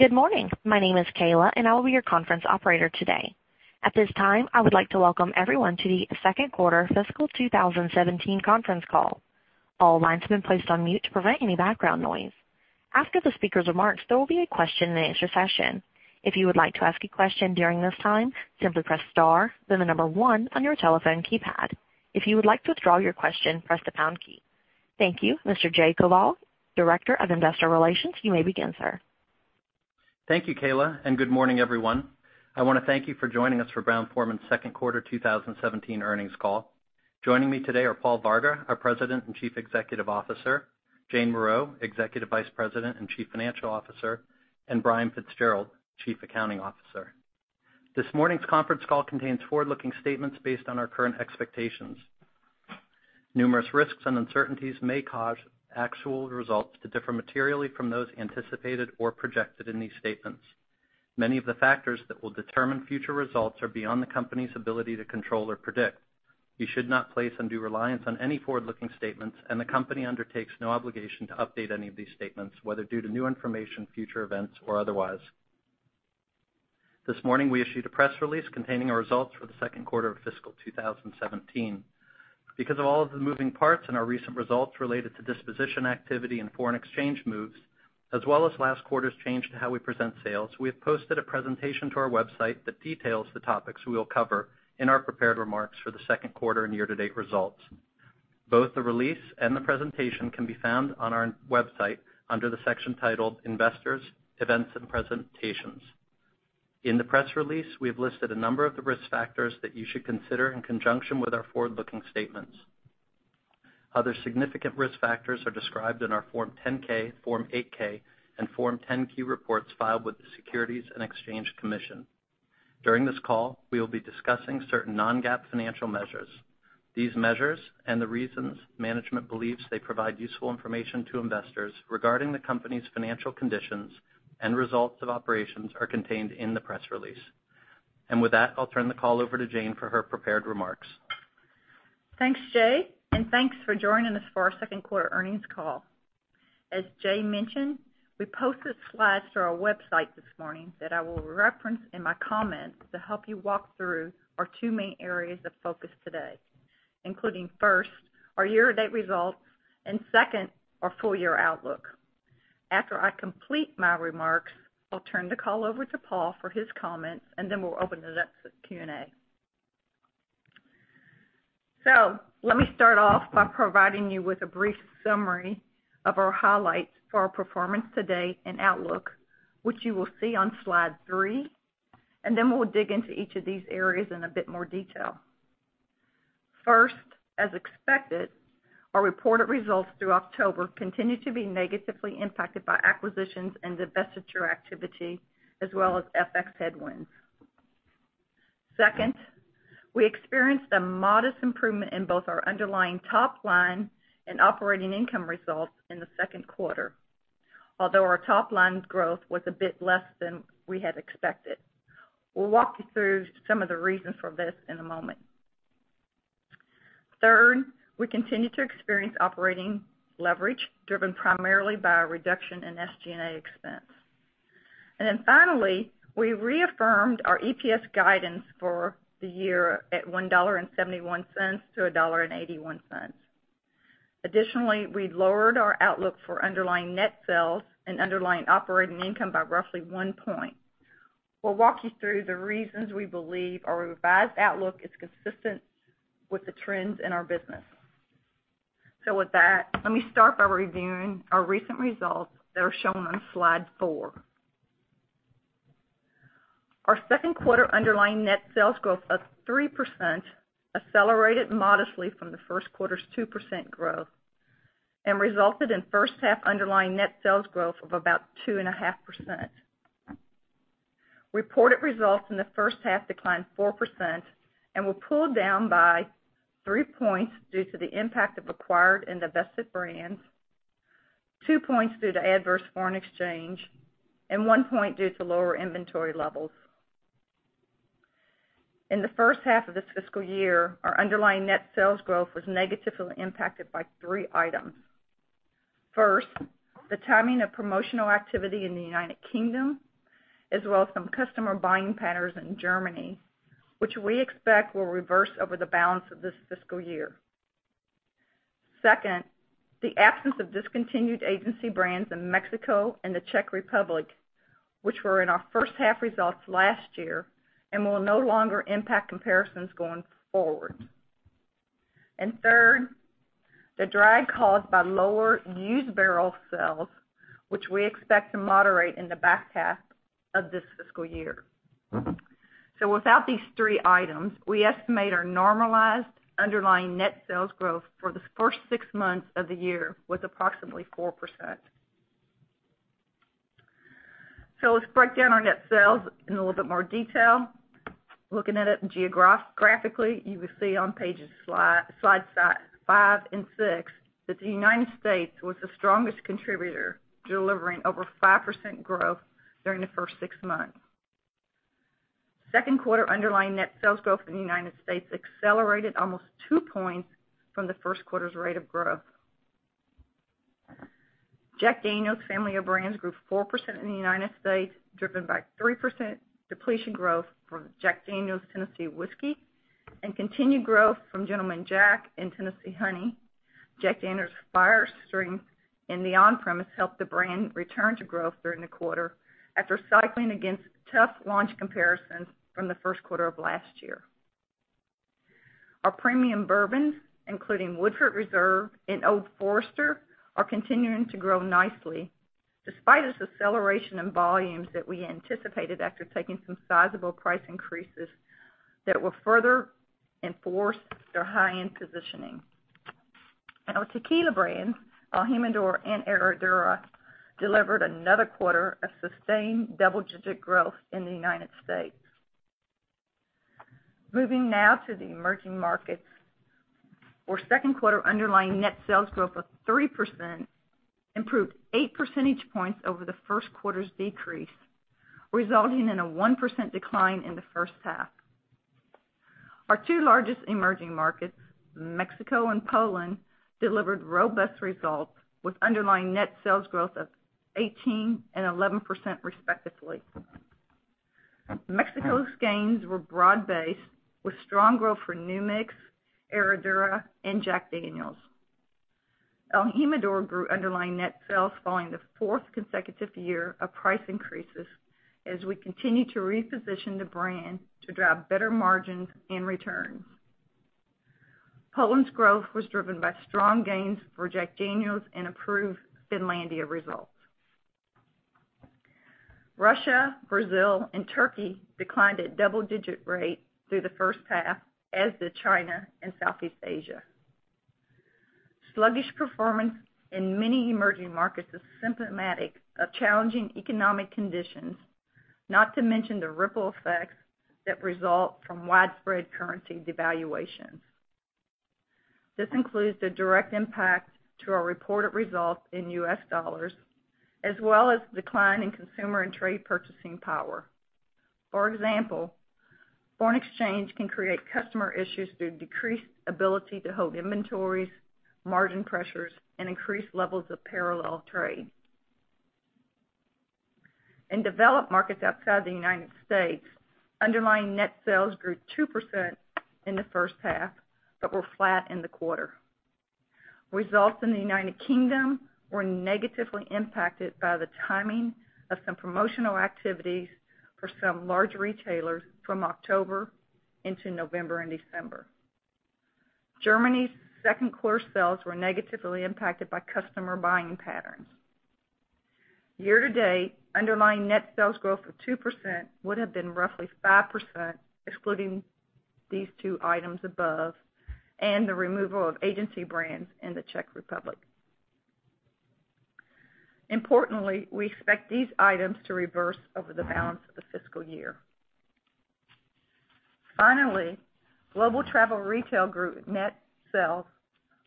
Good morning. My name is Kayla, and I will be your conference operator today. At this time, I would like to welcome everyone to the second quarter fiscal 2017 conference call. All lines have been placed on mute to prevent any background noise. After the speaker's remarks, there will be a question and answer session. If you would like to ask a question during this time, simply press star, then the number one on your telephone keypad. If you would like to withdraw your question, press the pound key. Thank you. Mr. Jay Koval, Director of Investor Relations, you may begin, sir. Thank you, Kayla, and good morning, everyone. I want to thank you for joining us for Brown-Forman's second quarter 2017 earnings call. Joining me today are Paul Varga, our President and Chief Executive Officer, Jane Morreau, Executive Vice President and Chief Financial Officer, and Brian Fitzgerald, Chief Accounting Officer. This morning's conference call contains forward-looking statements based on our current expectations. Numerous risks and uncertainties may cause actual results to differ materially from those anticipated or projected in these statements. Many of the factors that will determine future results are beyond the company's ability to control or predict. You should not place undue reliance on any forward-looking statements, the company undertakes no obligation to update any of these statements, whether due to new information, future events, or otherwise. This morning, we issued a press release containing our results for the second quarter of fiscal 2017. Because of all of the moving parts in our recent results related to disposition activity and foreign exchange moves, as well as last quarter's change to how we present sales, we have posted a presentation to our website that details the topics we will cover in our prepared remarks for the second quarter and year-to-date results. Both the release and the presentation can be found on our website under the section titled Investors, Events and Presentations. In the press release, we have listed a number of the risk factors that you should consider in conjunction with our forward-looking statements. Other significant risk factors are described in our Form 10-K, Form 8-K, and Form 10-Q reports filed with the Securities and Exchange Commission. During this call, we will be discussing certain non-GAAP financial measures. These measures and the reasons management believes they provide useful information to investors regarding the company's financial conditions and results of operations are contained in the press release. With that, I'll turn the call over to Jane for her prepared remarks. Thanks, Jay, and thanks for joining us for our second quarter earnings call. As Jay mentioned, we posted slides to our website this morning that I will reference in my comments to help you walk through our two main areas of focus today, including first, our year-to-date results, and second, our full-year outlook. After I complete my remarks, I'll turn the call over to Paul for his comments, then we'll open it up to Q&A. Let me start off by providing you with a brief summary of our highlights for our performance to date and outlook, which you will see on slide three, then we'll dig into each of these areas in a bit more detail. First, as expected, our reported results through October continued to be negatively impacted by acquisitions and divestiture activity, as well as FX headwinds. Second, we experienced a modest improvement in both our underlying top line and operating income results in the second quarter. Although our top line growth was a bit less than we had expected. We'll walk you through some of the reasons for this in a moment. Third, we continued to experience operating leverage driven primarily by a reduction in SG&A expense. Finally, we reaffirmed our EPS guidance for the year at $1.71-$1.81. Additionally, we lowered our outlook for underlying net sales and underlying operating income by roughly one point. We'll walk you through the reasons we believe our revised outlook is consistent with the trends in our business. With that, let me start by reviewing our recent results that are shown on slide four. Our second quarter underlying net sales growth of 3% accelerated modestly from the first quarter's 2% growth and resulted in first half underlying net sales growth of about 2.5%. Reported results in the first half declined 4% and were pulled down by three points due to the impact of acquired and divested brands, two points due to adverse foreign exchange, and one point due to lower inventory levels. In the first half of this fiscal year, our underlying net sales growth was negatively impacted by three items. First, the timing of promotional activity in the U.K., as well as some customer buying patterns in Germany, which we expect will reverse over the balance of this fiscal year. Second, the absence of discontinued agency brands in Mexico and the Czech Republic, which were in our first half results last year and will no longer impact comparisons going forward. Third, the drag caused by lower used barrel sales, which we expect to moderate in the back half of this fiscal year. Without these three items, we estimate our normalized underlying net sales growth for the first six months of the year was approximately 4%. Let's break down our net sales in a little bit more detail. Looking at it geographically, you will see on pages slide five and six that the U.S. was the strongest contributor, delivering over 5% growth during the first six months. Second quarter underlying net sales growth in the U.S. accelerated almost two points from the first quarter's rate of growth. Jack Daniel's family of brands grew 4% in the U.S., driven by 3% depletion growth from Jack Daniel's Tennessee Whiskey and continued growth from Gentleman Jack and Tennessee Honey. Jack Daniel's Fire strength in the on-premise helped the brand return to growth during the quarter after cycling against tough launch comparisons from the first quarter of last year. Our premium bourbons, including Woodford Reserve and Old Forester, are continuing to grow nicely, despite this acceleration in volumes that we anticipated after taking some sizable price increases that will further enforce their high-end positioning. Our tequila brands, el Jimador and Herradura, delivered another quarter of sustained double-digit growth in the U.S. Moving now to the emerging markets. For second quarter underlying net sales growth of 3%, improved 8 percentage points over the first quarter's decrease, resulting in a 1% decline in the first half. Our two largest emerging markets, Mexico and Poland, delivered robust results with underlying net sales growth of 18% and 11%, respectively. Mexico's gains were broad-based, with strong growth for New Mix, Herradura, and Jack Daniel's. el Jimador grew underlying net sales following the fourth consecutive year of price increases as we continue to reposition the brand to drive better margins and returns. Poland's growth was driven by strong gains for Jack Daniel's and improved Finlandia results. Russia, Brazil, and Turkey declined at double-digit rate through the first half, as did China and Southeast Asia. Sluggish performance in many emerging markets is symptomatic of challenging economic conditions, not to mention the ripple effects that result from widespread currency devaluations. This includes the direct impact to our reported results in U.S. dollars, as well as decline in consumer and trade purchasing power. For example, foreign exchange can create customer issues through decreased ability to hold inventories, margin pressures, and increased levels of parallel trade. In developed markets outside the U.S., underlying net sales grew 2% in the first half, but were flat in the quarter. Results in the U.K. were negatively impacted by the timing of some promotional activities for some large retailers from October into November and December. Germany's second quarter sales were negatively impacted by customer buying patterns. Year to date, underlying net sales growth of 2% would have been roughly 5%, excluding these two items above, and the removal of Agency Brands in the Czech Republic. Importantly, we expect these items to reverse over the balance of the fiscal year. Global Travel Retail grew net sales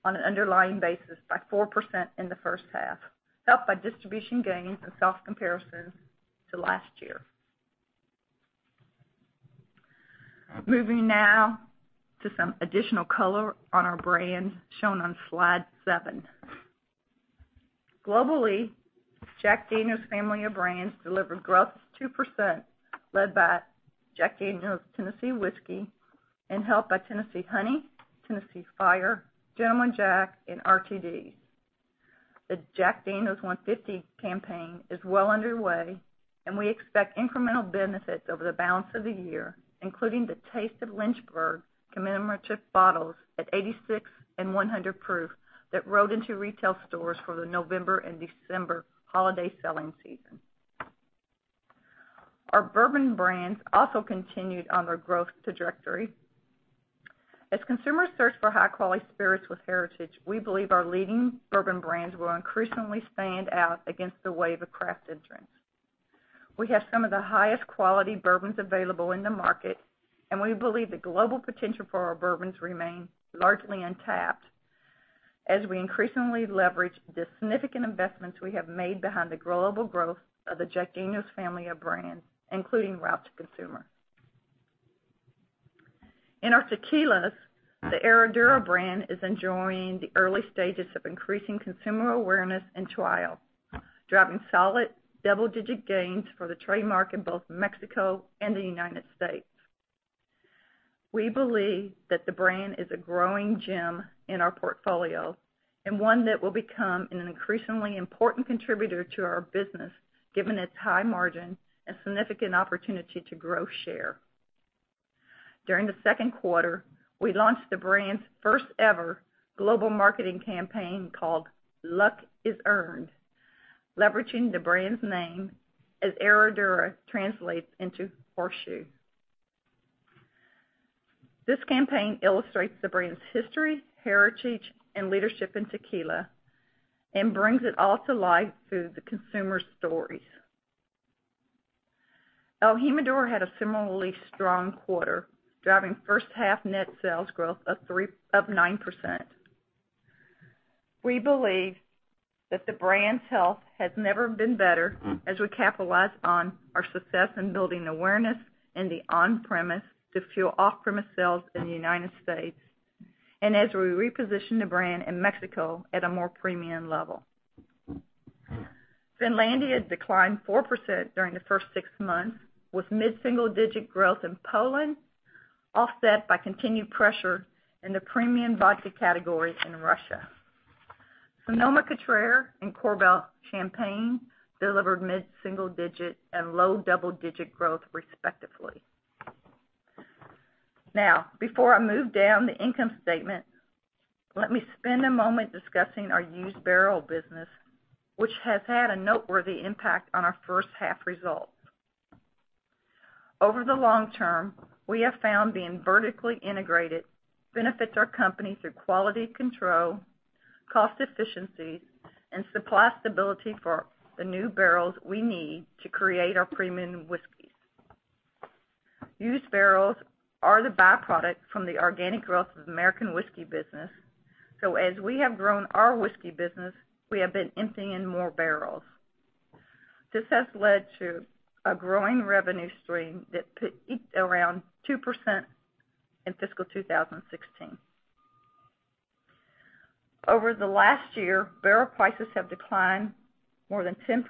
on an underlying basis by 4% in the first half, helped by distribution gains and self-comparison to last year. Moving now to some additional color on our brands shown on slide seven. Globally, Jack Daniel's family of brands delivered growth of 2%, led by Jack Daniel's Tennessee Whiskey and helped by Tennessee Honey, Tennessee Fire, Gentleman Jack, and RTDs. The Jack Daniel's 150 campaign is well underway, and we expect incremental benefits over the balance of the year, including the Taste of Lynchburg commemorative bottles at 86 and 100 Proof that rode into retail stores for the November and December holiday selling season. Our bourbon brands also continued on their growth trajectory. As consumers search for high-quality spirits with heritage, we believe our leading bourbon brands will increasingly stand out against the wave of craft entrants. We have some of the highest quality bourbons available in the market, and we believe the global potential for our bourbons remain largely untapped as we increasingly leverage the significant investments we have made behind the global growth of the Jack Daniel's family of brands, including route to consumer. In our tequilas, the Herradura brand is enjoying the early stages of increasing consumer awareness and trial, driving solid double-digit gains for the trademark in both Mexico and the United States. We believe that the brand is a growing gem in our portfolio and one that will become an increasingly important contributor to our business, given its high margin and significant opportunity to grow share. During the second quarter, we launched the brand's first ever global marketing campaign called Luck Is Earned, leveraging the brand's name as Herradura translates into horseshoe. This campaign illustrates the brand's history, heritage, and leadership in tequila and brings it all to life through the consumer stories. el Jimador had a similarly strong quarter, driving first-half net sales growth of 9%. We believe that the brand's health has never been better as we capitalize on our success in building awareness in the on-premise to fuel off-premise sales in the United States, and as we reposition the brand in Mexico at a more premium level. Finlandia declined 4% during the first six months, with mid-single-digit growth in Poland, offset by continued pressure in the premium vodka category in Russia. Sonoma-Cutrer and Korbel Champagne delivered mid-single-digit and low double-digit growth respectively. Now, before I move down the income statement, let me spend a moment discussing our used barrel business, which has had a noteworthy impact on our first half results. Over the long term, we have found being vertically integrated benefits our company through quality control, cost efficiency, and supply stability for the new barrels we need to create our premium whiskeys. Used barrels are the byproduct from the organic growth of the American whiskey business. So as we have grown our whiskey business, we have been emptying more barrels. This has led to a growing revenue stream that peaked around 2% in fiscal 2016. Over the last year, barrel prices have declined more than 10%,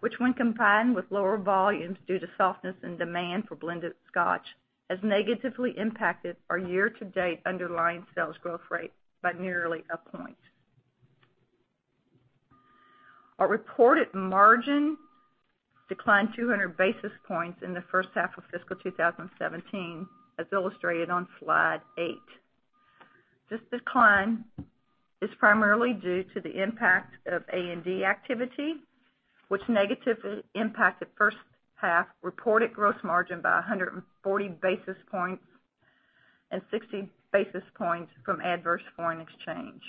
which when combined with lower volumes due to softness and demand for blended Scotch, has negatively impacted our year-to-date underlying sales growth rate by nearly a point. Our reported margin declined 200 basis points in the first half of fiscal 2017, as illustrated on slide eight. This decline is primarily due to the impact of A&D activity, which negatively impacted first half reported gross margin by 140 basis points and 60 basis points from adverse foreign exchange.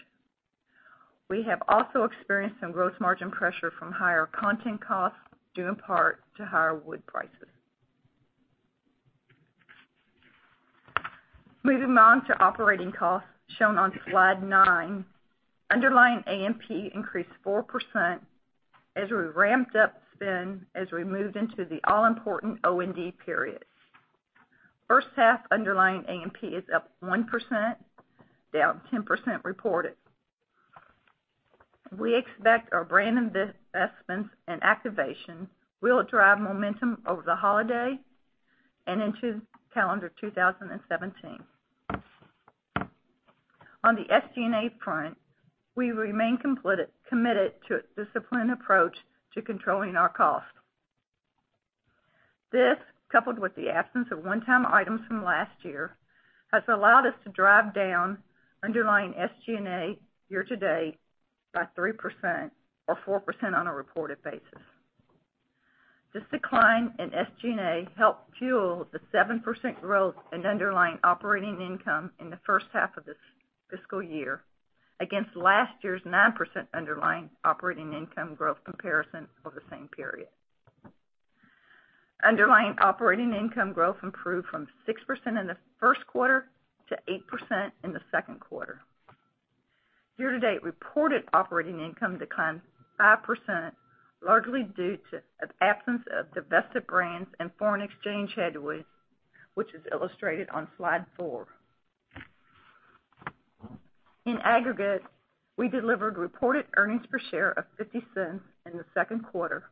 We have also experienced some gross margin pressure from higher content costs, due in part to higher wood prices. Moving on to operating costs shown on slide nine. Underlying A&P increased 4% as we ramped up spend as we moved into the all-important OND period. First half underlying A&P is up 1%, down 10% reported. We expect our brand investments and activation will drive momentum over the holiday and into calendar 2017. On the SG&A front, we remain committed to a disciplined approach to controlling our costs. This, coupled with the absence of one-time items from last year, has allowed us to drive down underlying SG&A year to date by 3% or 4% on a reported basis. This decline in SG&A helped fuel the 7% growth in underlying operating income in the first half of this fiscal year against last year's 9% underlying operating income growth comparison for the same period. Underlying operating income growth improved from 6% in the first quarter to 8% in the second quarter. Year to date reported operating income declined 5%, largely due to an absence of divested brands and foreign exchange headwinds, which is illustrated on slide four. In aggregate, we delivered reported earnings per share of $0.50 in the second quarter,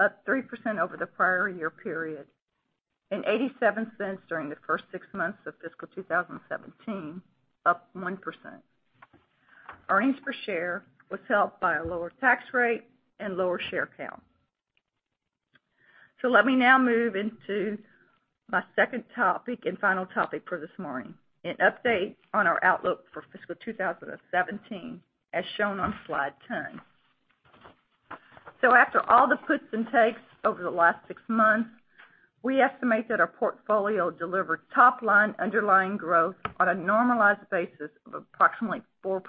up 3% over the prior year period, and $0.87 during the first six months of fiscal 2017, up 1%. Earnings per share was helped by a lower tax rate and lower share count. Let me now move into my second topic and final topic for this morning, an update on our outlook for fiscal 2017, as shown on slide 10. After all the puts and takes over the last six months, we estimate that our portfolio delivered top-line underlying growth on a normalized basis of approximately 4%.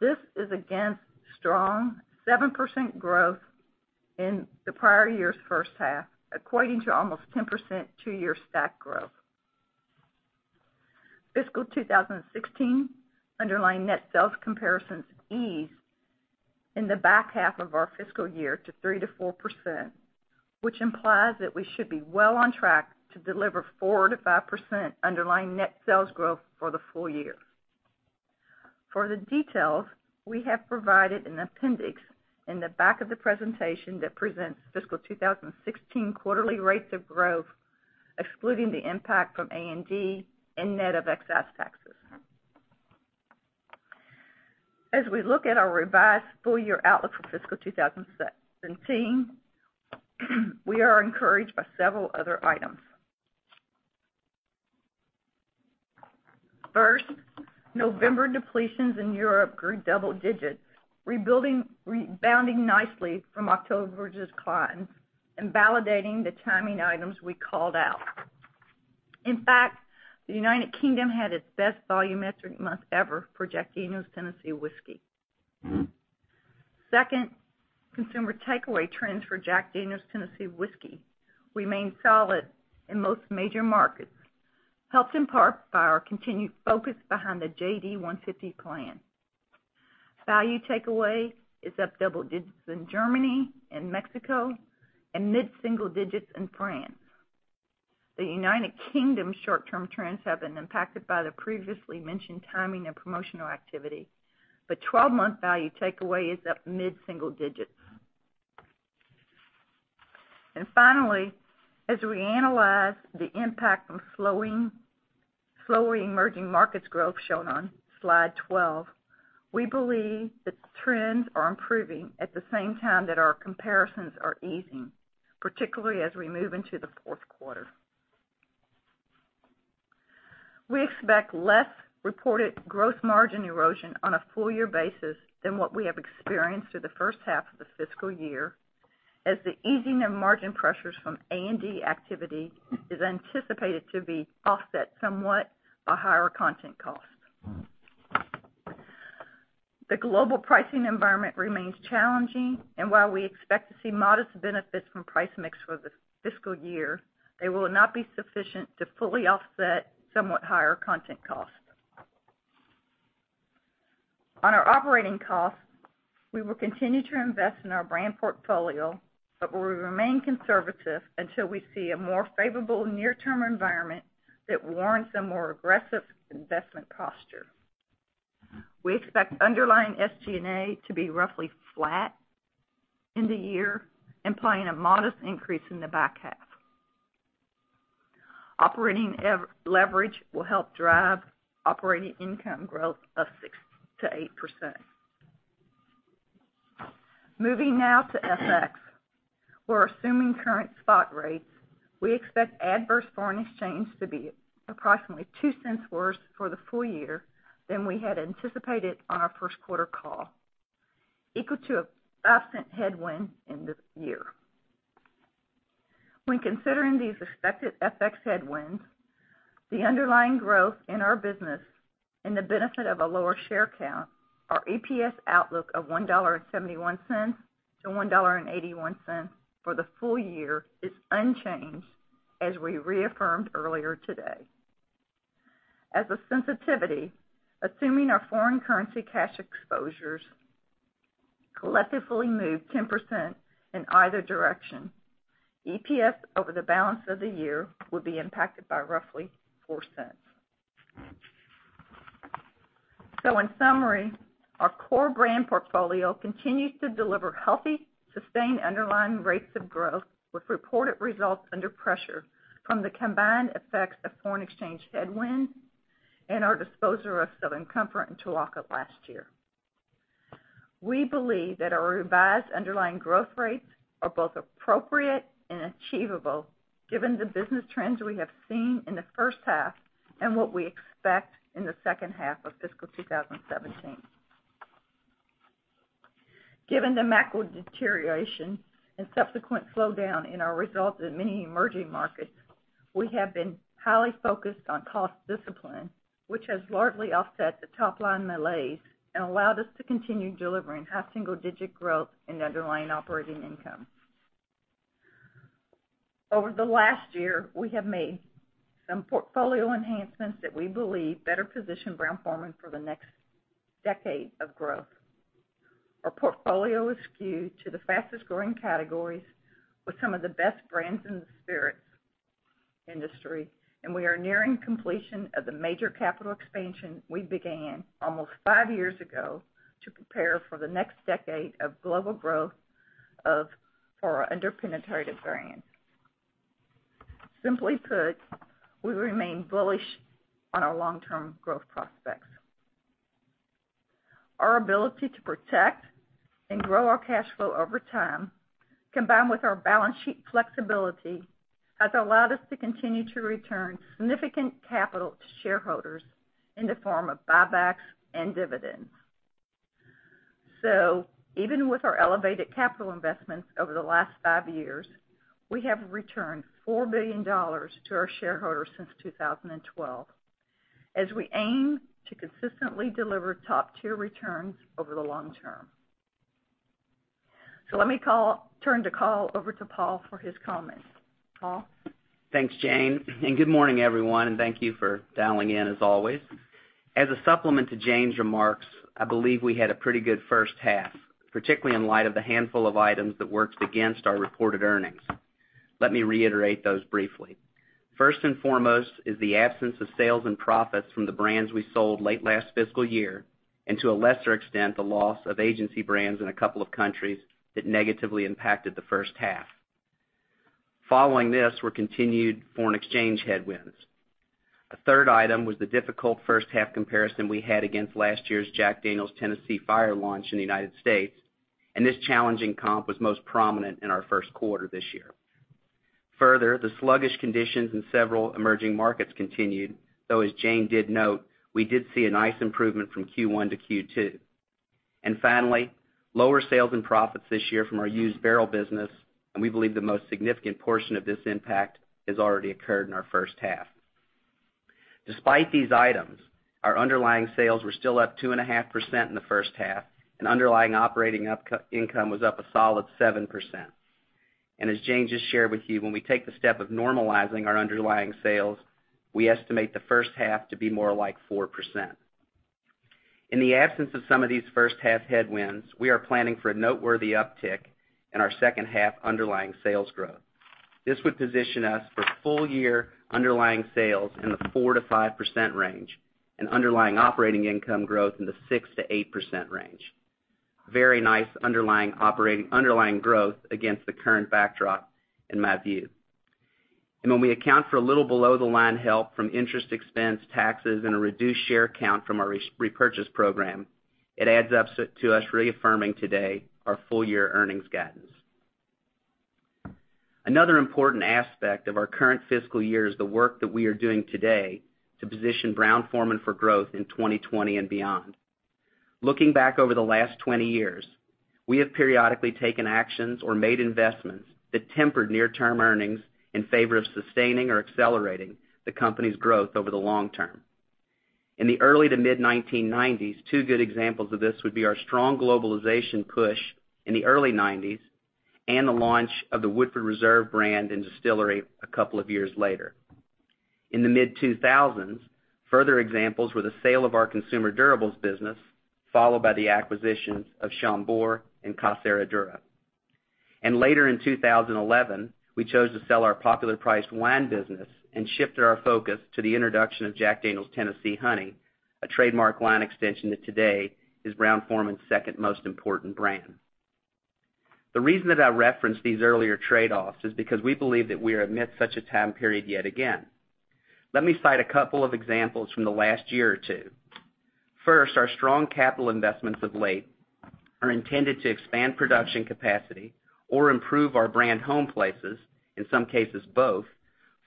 This is against strong 7% growth in the prior year's first half, equating to almost 10% two-year stack growth. Fiscal 2016 underlying net sales comparisons ease in the back half of our fiscal year to 3%-4%, which implies that we should be well on track to deliver 4%-5% underlying net sales growth for the full year. For the details, we have provided an appendix in the back of the presentation that presents fiscal 2016 quarterly rates of growth, excluding the impact from A&D and net of excess taxes. As we look at our revised full-year outlook for fiscal 2017, we are encouraged by several other items. First, November depletions in Europe grew double digits, rebounding nicely from October's decline and validating the timing items we called out. In fact, the U.K. had its best volumetric month ever for Jack Daniel's Tennessee Whiskey. Second, consumer takeaway trends for Jack Daniel's Tennessee Whiskey remain solid in most major markets, helped in part by our continued focus behind the JD150 plan. Value takeaway is up double digits in Germany and Mexico and mid-single digits in France. The U.K. short-term trends have been impacted by the previously mentioned timing of promotional activity, but 12-month value takeaway is up mid-single digits. Finally, as we analyze the impact from slowing emerging markets growth shown on slide 12, we believe that trends are improving at the same time that our comparisons are easing, particularly as we move into the fourth quarter. We expect less reported growth margin erosion on a full-year basis than what we have experienced through the first half of the fiscal year, as the easing of margin pressures from A&D activity is anticipated to be offset somewhat by higher content costs. The global pricing environment remains challenging, and while we expect to see modest benefits from price mix for the fiscal year, they will not be sufficient to fully offset somewhat higher content costs. On our operating costs, we will continue to invest in our brand portfolio, but we will remain conservative until we see a more favorable near-term environment that warrants a more aggressive investment posture. We expect underlying SG&A to be roughly flat in the year, implying a modest increase in the back half. Operating leverage will help drive operating income growth of 6%-8%. Moving now to FX, we are assuming current spot rates. We expect adverse foreign exchange to be approximately $0.02 worse for the full year than we had anticipated on our first quarter call, equal to a $0.05 headwind in the year. When considering these expected FX headwinds, the underlying growth in our business, and the benefit of a lower share count, our EPS outlook of $1.71-$1.81 for the full year is unchanged, as we reaffirmed earlier today. As a sensitivity, assuming our foreign currency cash exposures collectively move 10% in either direction, EPS over the balance of the year would be impacted by roughly $0.04. In summary, our core brand portfolio continues to deliver healthy, sustained underlying rates of growth, with reported results under pressure from the combined effects of foreign exchange headwinds and our disposal of Southern Comfort and Tuaca last year. We believe that our revised underlying growth rates are both appropriate and achievable given the business trends we have seen in the first half and what we expect in the second half of fiscal 2017. Given the macro deterioration and subsequent slowdown in our results in many emerging markets, we have been highly focused on cost discipline, which has largely offset the top-line malaise and allowed us to continue delivering high single-digit growth in underlying operating income. Over the last year, we have made some portfolio enhancements that we believe better position Brown-Forman for the next decade of growth. Our portfolio is skewed to the fastest-growing categories with some of the best brands in the spirits industry. We are nearing completion of the major capital expansion we began almost five years ago to prepare for the next decade of global growth for our under-penetrated brands. Simply put, we remain bullish on our long-term growth prospects. Our ability to protect and grow our cash flow over time, combined with our balance sheet flexibility, has allowed us to continue to return significant capital to shareholders in the form of buybacks and dividends. Even with our elevated capital investments over the last five years, we have returned $4 billion to our shareholders since 2012 as we aim to consistently deliver top-tier returns over the long term. Let me turn the call over to Paul for his comments. Paul? Thanks, Jane, and good morning, everyone, and thank you for dialing in as always. As a supplement to Jane's remarks, I believe we had a pretty good first half, particularly in light of the handful of items that worked against our reported earnings. Let me reiterate those briefly. First and foremost is the absence of sales and profits from the brands we sold late last fiscal year, and to a lesser extent, the loss of agency brands in a couple of countries that negatively impacted the first half. Following this were continued foreign exchange headwinds. A third item was the difficult first half comparison we had against last year's Jack Daniel's Tennessee Fire launch in the United States. This challenging comp was most prominent in our first quarter this year. Further, the sluggish conditions in several emerging markets continued, though as Jane did note, we did see a nice improvement from Q1 to Q2. Finally, lower sales and profits this year from our used barrel business, and we believe the most significant portion of this impact has already occurred in our first half. Despite these items, our underlying sales were still up 2.5% in the first half, and underlying operating income was up a solid 7%. As Jane just shared with you, when we take the step of normalizing our underlying sales, we estimate the first half to be more like 4%. In the absence of some of these first-half headwinds, we are planning for a noteworthy uptick in our second half underlying sales growth. This would position us for full-year underlying sales in the 4%-5% range, and underlying operating income growth in the 6%-8% range. Very nice underlying growth against the current backdrop, in my view. When we account for a little below the line help from interest expense, taxes, and a reduced share count from our repurchase program, it adds up to us reaffirming today our full-year earnings guidance. Another important aspect of our current fiscal year is the work that we are doing today to position Brown-Forman for growth in 2020 and beyond. Looking back over the last 20 years, we have periodically taken actions or made investments that tempered near-term earnings in favor of sustaining or accelerating the company's growth over the long term. In the early to mid 1990s, two good examples of this would be our strong globalization push in the early '90s, and the launch of the Woodford Reserve brand and distillery a couple of years later. In the mid 2000s, further examples were the sale of our consumer durables business, followed by the acquisitions of Chambord and Casa Herradura. Later in 2011, we chose to sell our popular priced wine business and shifted our focus to the introduction of Jack Daniel's Tennessee Honey, a trademark wine extension that today is Brown-Forman's second most important brand. The reason that I referenced these earlier trade-offs is because we believe that we are amid such a time period yet again. Let me cite a couple of examples from the last year or two. First, our strong capital investments of late are intended to expand production capacity or improve our brand home places, in some cases, both,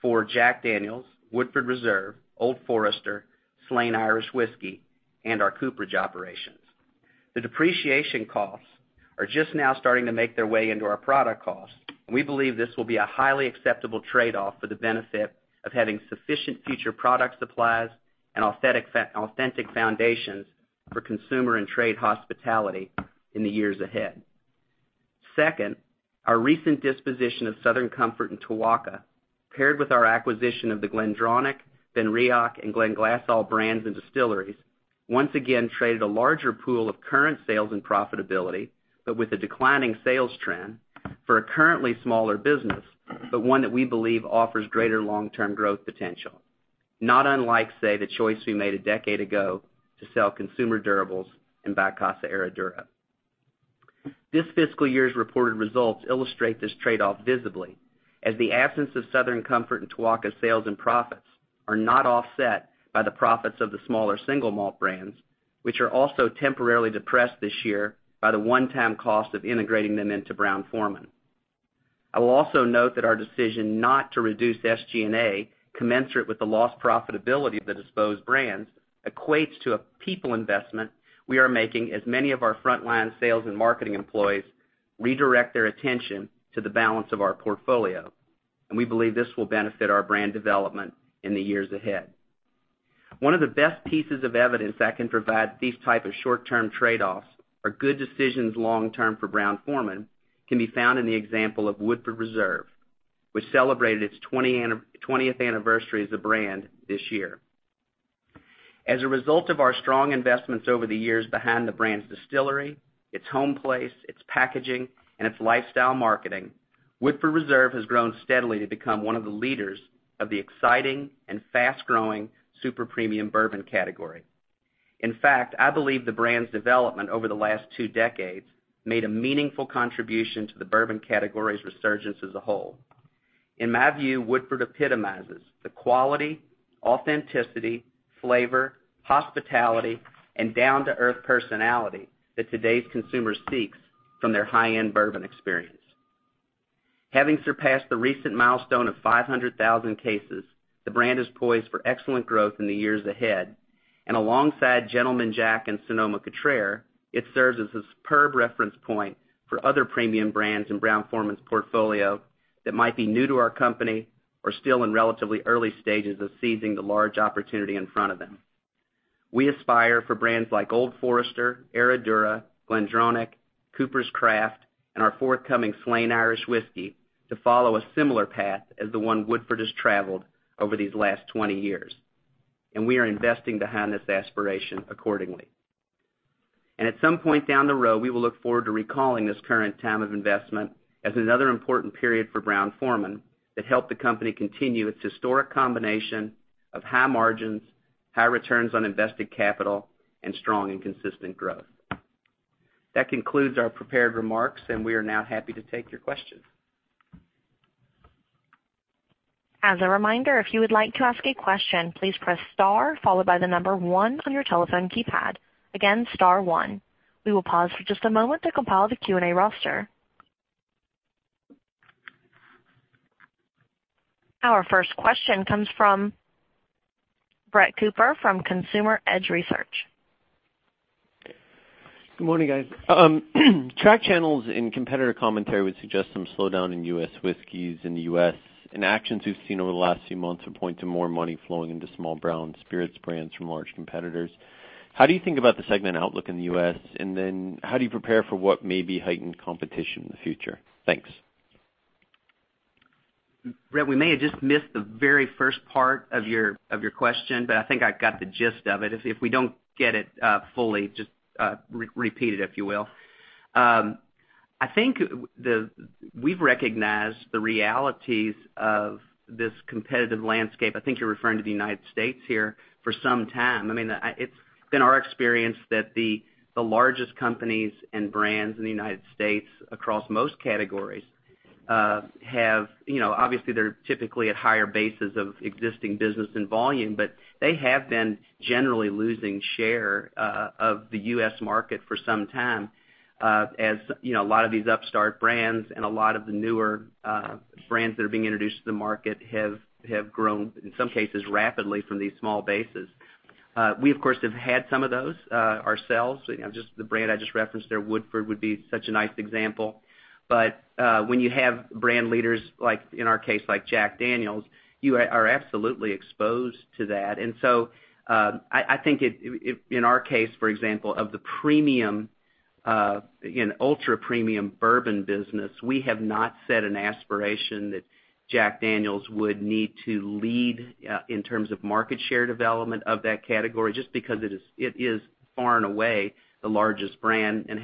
for Jack Daniel's, Woodford Reserve, Old Forester, Slane Irish Whiskey, and our cooperage operations. The depreciation costs are just now starting to make their way into our product costs, and we believe this will be a highly acceptable trade-off for the benefit of having sufficient future product supplies and authentic foundations for consumer and trade hospitality in the years ahead. Second, our recent disposition of Southern Comfort and Tuaca, paired with our acquisition of the GlenDronach, BenRiach, and Glenglassaugh brands and distilleries, once again traded a larger pool of current sales and profitability, but with a declining sales trend, for a currently smaller business, but one that we believe offers greater long-term growth potential. Not unlike, say, the choice we made a decade ago to sell consumer durables and buy Casa Herradura. This fiscal year's reported results illustrate this trade-off visibly, as the absence of Southern Comfort and Tuaca sales and profits are not offset by the profits of the smaller single malt brands, which are also temporarily depressed this year by the one-time cost of integrating them into Brown-Forman. I will also note that our decision not to reduce SG&A commensurate with the lost profitability of the disposed brands equates to a people investment we are making as many of our frontline sales and marketing employees redirect their attention to the balance of our portfolio, and we believe this will benefit our brand development in the years ahead. One of the best pieces of evidence that can provide these type of short-term trade-offs are good decisions long-term for Brown-Forman can be found in the example of Woodford Reserve, which celebrated its 20th anniversary as a brand this year. As a result of our strong investments over the years behind the brand's distillery, its home place, its packaging, and its lifestyle marketing, Woodford Reserve has grown steadily to become one of the leaders of the exciting and fast-growing super premium bourbon category. In fact, I believe the brand's development over the last two decades made a meaningful contribution to the bourbon category's resurgence as a whole. In my view, Woodford epitomizes the quality, authenticity, flavor, hospitality, and down-to-earth personality that today's consumer seeks from their high-end bourbon experience. Having surpassed the recent milestone of 500,000 cases, the brand is poised for excellent growth in the years ahead. Alongside Gentleman Jack and Sonoma-Cutrer, it serves as a superb reference point for other premium brands in Brown-Forman's portfolio that might be new to our company or still in relatively early stages of seizing the large opportunity in front of them. We aspire for brands like Old Forester, Herradura, GlenDronach, Coopers' Craft, and our forthcoming Slane Irish Whiskey to follow a similar path as the one Woodford has traveled over these last 20 years, and we are investing behind this aspiration accordingly. At some point down the road, we will look forward to recalling this current time of investment as another important period for Brown-Forman that helped the company continue its historic combination of high margins, high returns on invested capital, and strong and consistent growth. That concludes our prepared remarks, and we are now happy to take your questions. As a reminder, if you would like to ask a question, please press star followed by the number one on your telephone keypad. Again, star one. We will pause for just a moment to compile the Q&A roster. Our first question comes from Brett Cooper from Consumer Edge Research Good morning, guys. Track channels and competitor commentary would suggest some slowdown in U.S. whiskeys in the U.S., actions we've seen over the last few months would point to more money flowing into small brown spirits brands from large competitors. How do you think about the segment outlook in the U.S., how do you prepare for what may be heightened competition in the future? Thanks. Brett, we may have just missed the very first part of your question, I think I got the gist of it. If we don't get it fully, just repeat it, if you will. I think we've recognized the realities of this competitive landscape, I think you're referring to the United States here, for some time. It's been our experience that the largest companies and brands in the United States across most categories, obviously they're typically at higher bases of existing business and volume, they have been generally losing share of the U.S. market for some time, as a lot of these upstart brands and a lot of the newer brands that are being introduced to the market have grown, in some cases, rapidly from these small bases. We, of course, have had some of those ourselves. Just the brand I just referenced there, Woodford would be such a nice example. When you have brand leaders, in our case, like Jack Daniel's, you are absolutely exposed to that. I think in our case, for example, of the premium, ultra premium bourbon business, we have not set an aspiration that Jack Daniel's would need to lead in terms of market share development of that category, just because it is far and away the largest brand and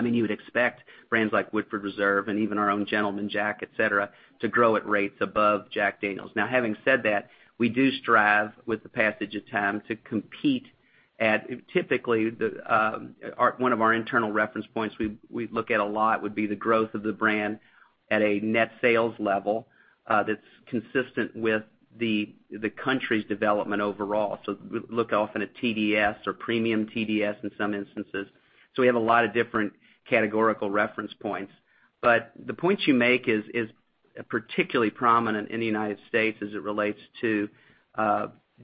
you would expect brands like Woodford Reserve and even our own Gentleman Jack, et cetera, to grow at rates above Jack Daniel's. Having said that, we do strive with the passage of time to compete at, typically, one of our internal reference points we look at a lot would be the growth of the brand at a net sales level that's consistent with the country's development overall. Look often at TDS or premium TDS in some instances. We have a lot of different categorical reference points. The point you make is particularly prominent in the U.S. as it relates to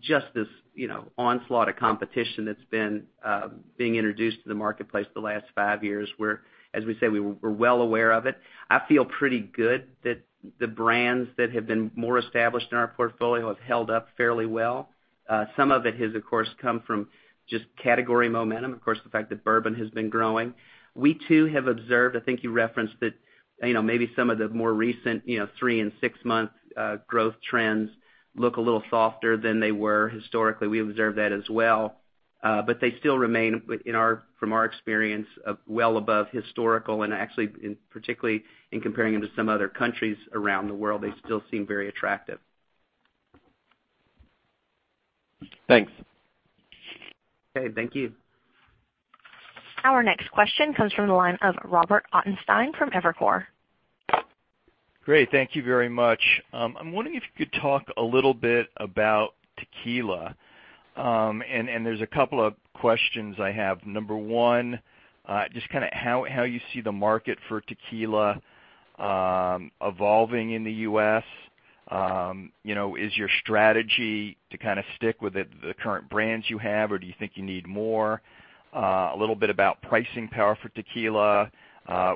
just this onslaught of competition that's being introduced to the marketplace the last 5 years, where, as we say, we're well aware of it. I feel pretty good that the brands that have been more established in our portfolio have held up fairly well. Some of it has, of course, come from just category momentum. Of course, the fact that bourbon has been growing. We, too, have observed, I think you referenced that maybe some of the more recent three and six month growth trends look a little softer than they were historically. We observed that as well. They still remain, from our experience, well above historical and actually, particularly in comparing them to some other countries around the world, they still seem very attractive. Thanks. Okay. Thank you. Our next question comes from the line of Robert Ottenstein from Evercore. Great. Thank you very much. I'm wondering if you could talk a little bit about tequila. There's a couple of questions I have. Number one, just how you see the market for tequila evolving in the U.S. Is your strategy to stick with the current brands you have, or do you think you need more? A little bit about pricing power for tequila.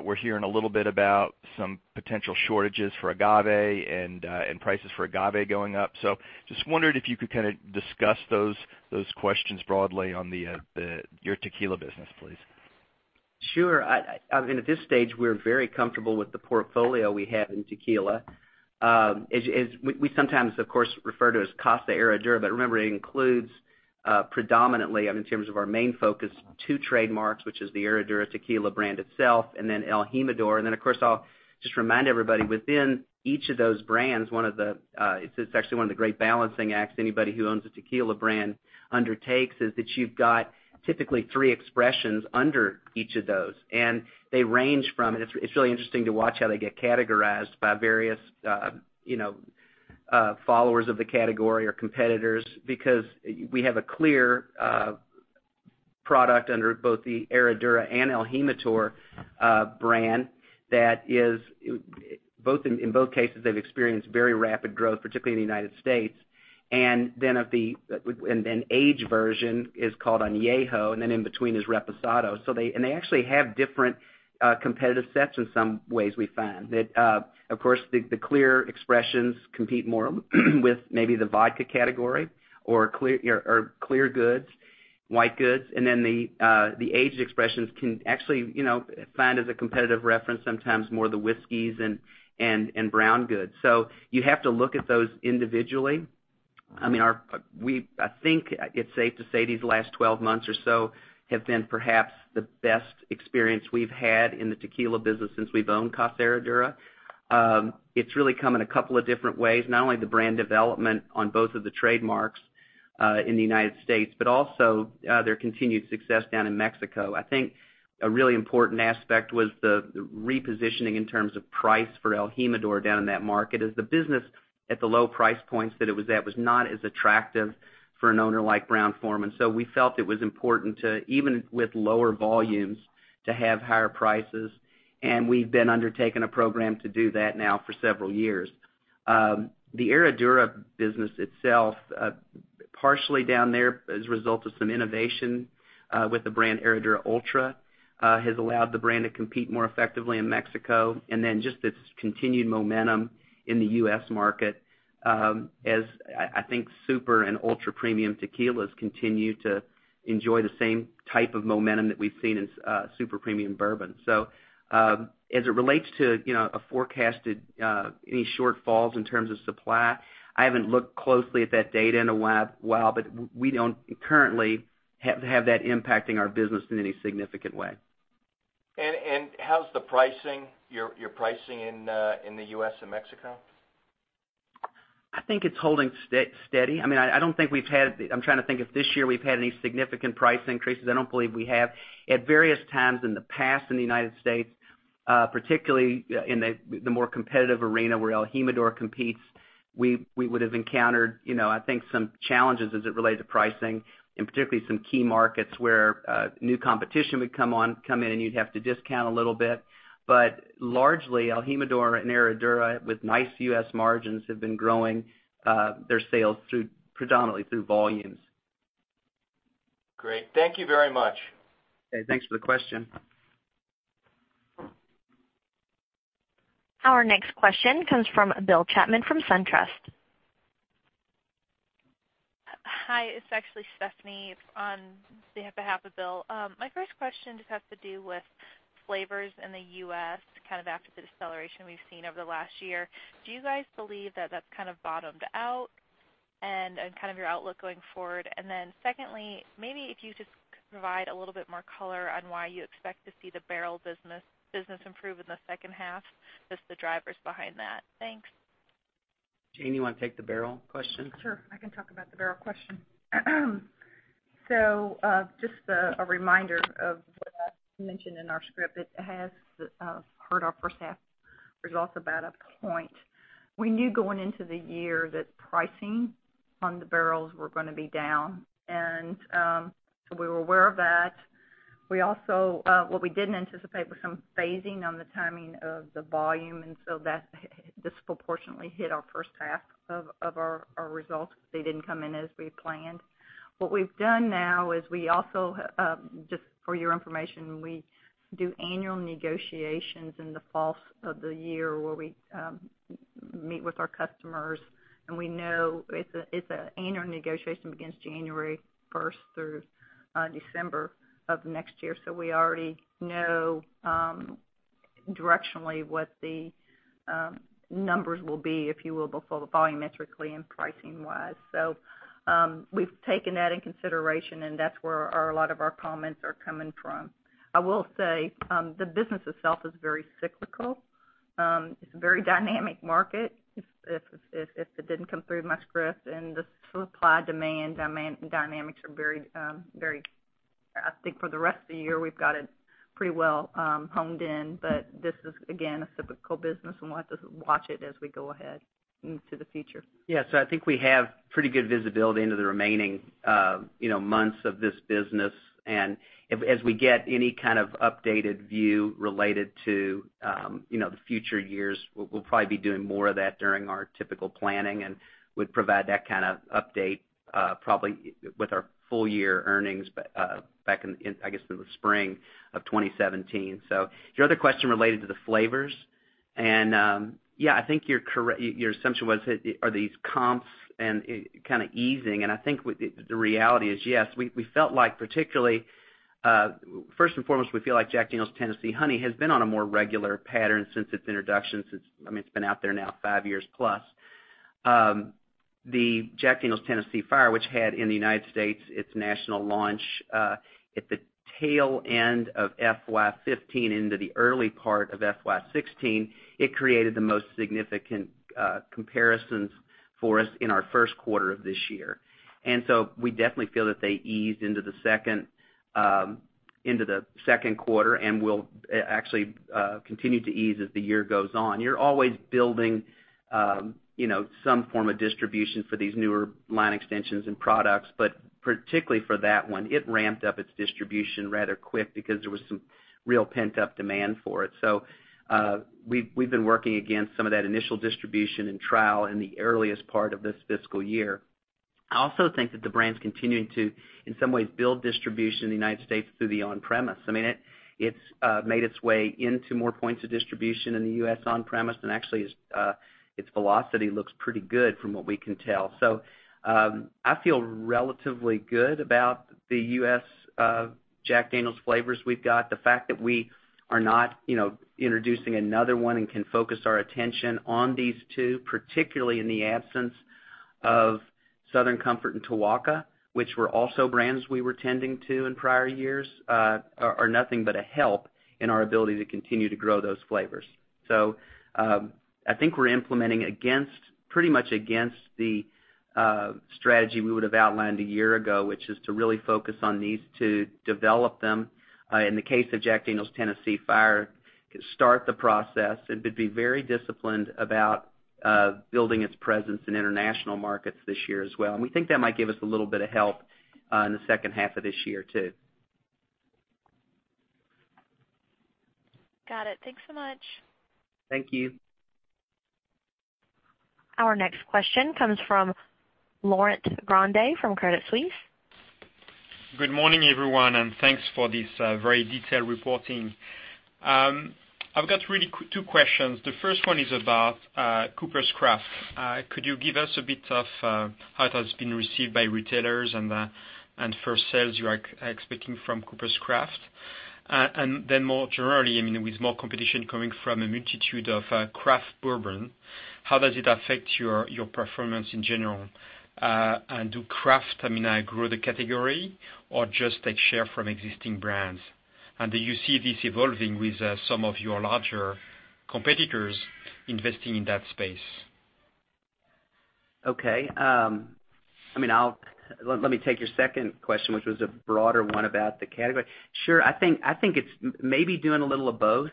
We're hearing a little bit about some potential shortages for agave and prices for agave going up. Just wondered if you could discuss those questions broadly on your tequila business, please. Sure. At this stage, we're very comfortable with the portfolio we have in tequila. We sometimes, of course, refer to it as Casa Herradura, but remember, it includes predominantly, in terms of our main focus, two trademarks, which is the Herradura tequila brand itself, and then el Jimador. Then, of course, I'll just remind everybody, within each of those brands, it's actually one of the great balancing acts anybody who owns a tequila brand undertakes, is that you've got typically three expressions under each of those. They range from, and it's really interesting to watch how they get categorized by various followers of the category or competitors, because we have a clear product under both the Herradura and el Jimador brand that in both cases, they've experienced very rapid growth, particularly in the United States. Then age version is called Añejo, and then in between is Reposado. They actually have different competitive sets in some ways, we find. Of course, the clear expressions compete more with maybe the vodka category or clear goods, white goods. Then the aged expressions can actually find as a competitive reference, sometimes more the whiskeys and brown goods. You have to look at those individually. I think it's safe to say these last 12 months or so have been perhaps the best experience we've had in the tequila business since we've owned Casa Herradura. It's really come in a couple of different ways, not only the brand development on both of the trademarks in the United States, but also their continued success down in Mexico. I think a really important aspect was the repositioning in terms of price for el Jimador down in that market, as the business at the low price points that it was at was not as attractive for an owner like Brown-Forman. We felt it was important to, even with lower volumes, to have higher prices. We've been undertaking a program to do that now for several years. The Herradura business itself, partially down there as a result of some innovation with the brand Herradura Ultra, has allowed the brand to compete more effectively in Mexico. Then just its continued momentum in the U.S. market, as I think super and ultra-premium tequilas continue to enjoy the same type of momentum that we've seen in super premium bourbon. As it relates to any shortfalls in terms of supply, I haven't looked closely at that data in a while, but we don't currently have that impacting our business in any significant way. How's your pricing in the U.S. and Mexico? I think it's holding steady. I'm trying to think if this year we've had any significant price increases. I don't believe we have. At various times in the past in the United States, particularly in the more competitive arena where el Jimador competes, we would've encountered I think some challenges as it relates to pricing, and particularly some key markets where new competition would come in, and you'd have to discount a little bit. But largely, el Jimador and Herradura, with nice U.S. margins, have been growing their sales predominantly through volumes. Great. Thank you very much. Okay. Thanks for the question. Our next question comes from Bill Chappell from SunTrust. Hi, it's actually Stephanie on behalf of Bill. My first question just has to do with flavors in the U.S., after the deceleration we've seen over the last year. Do you guys believe that that's bottomed out, and your outlook going forward? Secondly, maybe if you could just provide a little bit more color on why you expect to see the barrel business improve in the second half, just the drivers behind that. Thanks. Jane, you want to take the barrel question? I can talk about the barrel question. Just a reminder of what I mentioned in our script, it has hurt our first half results about a point. We knew going into the year that pricing on the barrels were going to be down. We were aware of that. What we didn't anticipate was some phasing on the timing of the volume, and that disproportionately hit our first half of our results. They didn't come in as we planned. What we've done now is we also, just for your information, when we do annual negotiations in the falls of the year where we meet with our customers, and we know it's an annual negotiation, begins January 1st through December of the next year. We already know directionally what the numbers will be, if you will, both volumetrically and pricing wise. We've taken that in consideration, and that's where a lot of our comments are coming from. I will say, the business itself is very cyclical. It's a very dynamic market. If it didn't come through in my script, and the supply-demand dynamics are very, I think for the rest of the year, we've got it pretty well honed in. This is, again, a cyclical business, and we'll have to watch it as we go ahead into the future. I think we have pretty good visibility into the remaining months of this business. As we get any kind of updated view related to the future years, we'll probably be doing more of that during our typical planning, and would provide that kind of update, probably with our full year earnings, back in, I guess, the spring of 2017. Your other question related to the flavors, yeah, I think your assumption was, are these comps and it kind of easing. I think the reality is, yes, first and foremost, we feel like Jack Daniel's Tennessee Honey has been on a more regular pattern since its introduction, since, I mean, it's been out there now five years plus. The Jack Daniel's Tennessee Fire, which had in the U.S., its national launch, at the tail end of FY 2015 into the early part of FY 2016, it created the most significant comparisons for us in our first quarter of this year. We definitely feel that they eased into the second quarter and will actually continue to ease as the year goes on. You're always building some form of distribution for these newer line extensions and products, but particularly for that one, it ramped up its distribution rather quick because there was some real pent-up demand for it. We've been working against some of that initial distribution and trial in the earliest part of this fiscal year. I also think that the brand's continuing to, in some ways, build distribution in the U.S. through the on-premise. I mean, it's made its way into more points of distribution in the U.S. on-premise, actually its velocity looks pretty good from what we can tell. I feel relatively good about the U.S. Jack Daniel's flavors we've got. The fact that we are not introducing another one and can focus our attention on these two, particularly in the absence of Southern Comfort and Tuaca, which were also brands we were tending to in prior years, are nothing but a help in our ability to continue to grow those flavors. I think we're implementing pretty much against the strategy we would've outlined a year ago, which is to really focus on these two, develop them, in the case of Jack Daniel's Tennessee Fire, start the process, and to be very disciplined about building its presence in international markets this year as well. We think that might give us a little bit of help in the second half of this year, too. Got it. Thanks so much. Thank you. Our next question comes from Laurent Grandet from Credit Suisse. Good morning, everyone, and thanks for this very detailed reporting. I've got really two questions. The first one is about Coopers' Craft. Could you give us a bit of how it has been received by retailers and for sales you are expecting from Coopers' Craft? More generally, with more competition coming from a multitude of craft bourbon, how does it affect your performance in general? Do craft grow the category or just take share from existing brands? Do you see this evolving with some of your larger competitors investing in that space? Okay. Let me take your second question, which was a broader one about the category. Sure. I think it's maybe doing a little of both,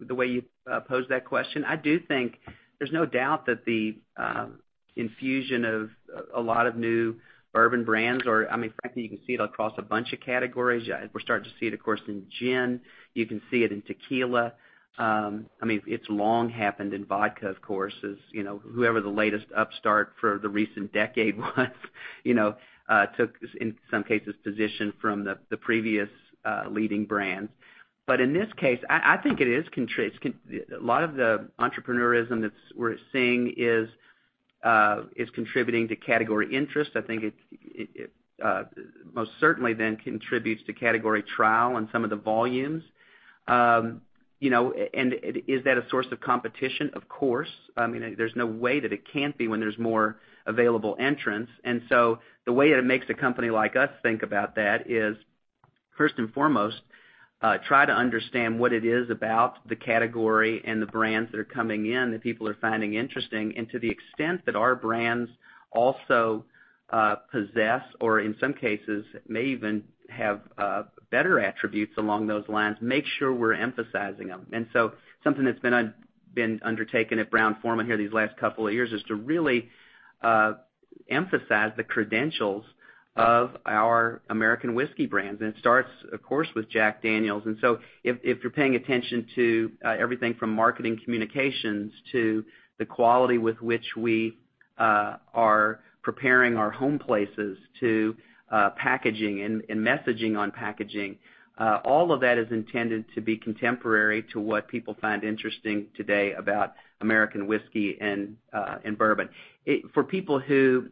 the way you posed that question. I do think there's no doubt that the infusion of a lot of new bourbon brands or, frankly, you can see it across a bunch of categories. We're starting to see it, of course, in gin. You can see it in tequila. It's long happened in vodka, of course, as whoever the latest upstart for the recent decade was took, in some cases, position from the previous leading brands. In this case, I think a lot of the entrepreneurism that we're seeing is contributing to category interest. I think it most certainly then contributes to category trial and some of the volumes. Is that a source of competition? Of course. There's no way that it can't be when there's more available entrants. So the way that it makes a company like us think about that is, first and foremost, try to understand what it is about the category and the brands that are coming in that people are finding interesting. To the extent that our brands also possess, or in some cases, may even have better attributes along those lines, make sure we're emphasizing them. So something that's been undertaken at Brown-Forman here these last couple of years is to really emphasize the credentials of our American whiskey brands. It starts, of course, with Jack Daniel's. If you're paying attention to everything from marketing communications to the quality with which we are preparing our home places to packaging and messaging on packaging, all of that is intended to be contemporary to what people find interesting today about American whiskey and bourbon. For people who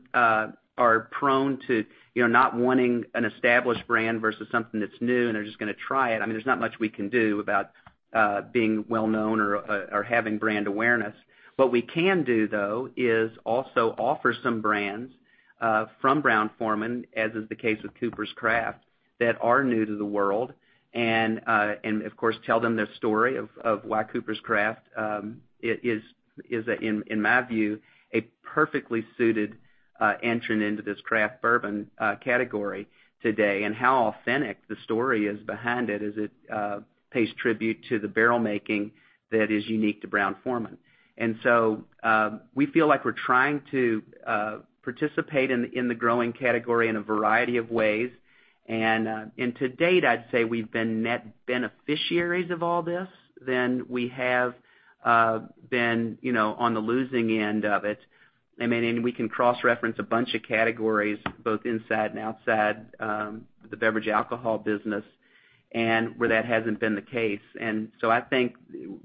are prone to not wanting an established brand versus something that's new and are just going to try it, there's not much we can do about being well-known or having brand awareness. What we can do, though, is also offer some brands from Brown-Forman, as is the case with Coopers' Craft, that are new to the world. Of course, tell them their story of why Coopers' Craft is, in my view, a perfectly suited entrant into this craft bourbon category today, and how authentic the story is behind it as it pays tribute to the barrel making that is unique to Brown-Forman. We feel like we're trying to participate in the growing category in a variety of ways. To date, I'd say we've been net beneficiaries of all this than we have been on the losing end of it. We can cross-reference a bunch of categories, both inside and outside the beverage alcohol business, where that hasn't been the case. I think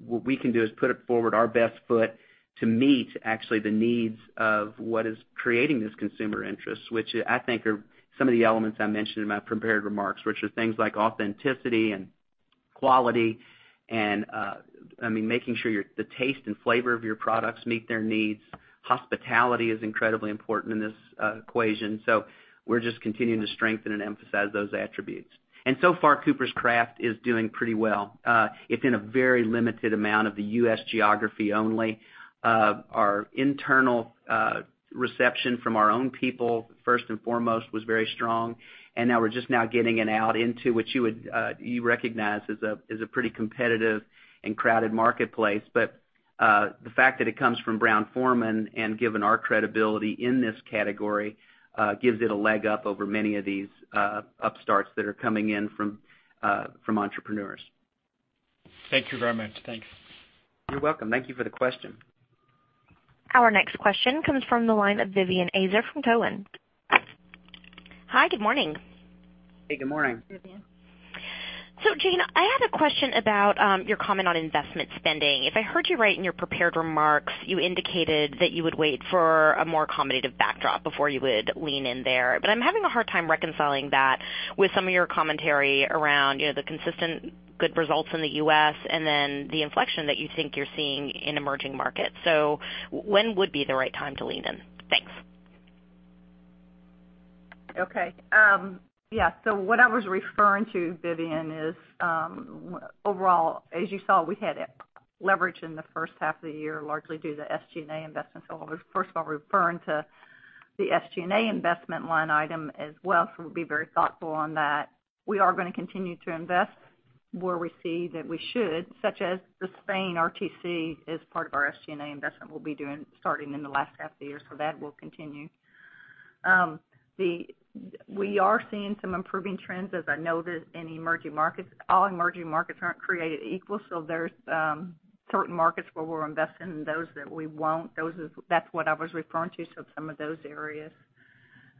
what we can do is put forward our best foot to meet actually the needs of what is creating this consumer interest, which I think are some of the elements I mentioned in my prepared remarks, which are things like authenticity and quality, and making sure the taste and flavor of your products meet their needs. Hospitality is incredibly important in this equation. We're just continuing to strengthen and emphasize those attributes. So far, Coopers' Craft is doing pretty well. It's in a very limited amount of the U.S. geography only. Our internal reception from our own people, first and foremost, was very strong. Now we're just now getting it out into, which you recognize as a pretty competitive and crowded marketplace. The fact that it comes from Brown-Forman and given our credibility in this category gives it a leg up over many of these upstarts that are coming in from entrepreneurs. Thank you very much. Thanks. You're welcome. Thank you for the question. Our next question comes from the line of Vivien Azer from Cowen. Hi, good morning. Hey, good morning. Vivien. Jane, I had a question about your comment on investment spending. If I heard you right in your prepared remarks, you indicated that you would wait for a more accommodative backdrop before you would lean in there. I'm having a hard time reconciling that with some of your commentary around the consistent good results in the U.S. and then the inflection that you think you're seeing in emerging markets. When would be the right time to lean in? Thanks. Okay. Yeah. What I was referring to, Vivien, is, overall, as you saw, we had leverage in the first half of the year, largely due to the SG&A investment. I was first of all referring to the SG&A investment line item as well. We'll be very thoughtful on that. We are going to continue to invest where we see that we should, such as the Spain RTC as part of our SG&A investment we'll be doing starting in the last half of the year. That will continue. We are seeing some improving trends, as I noted, in emerging markets. All emerging markets aren't created equal, so there's certain markets where we'll invest in and those that we won't. That's what I was referring to, so some of those areas.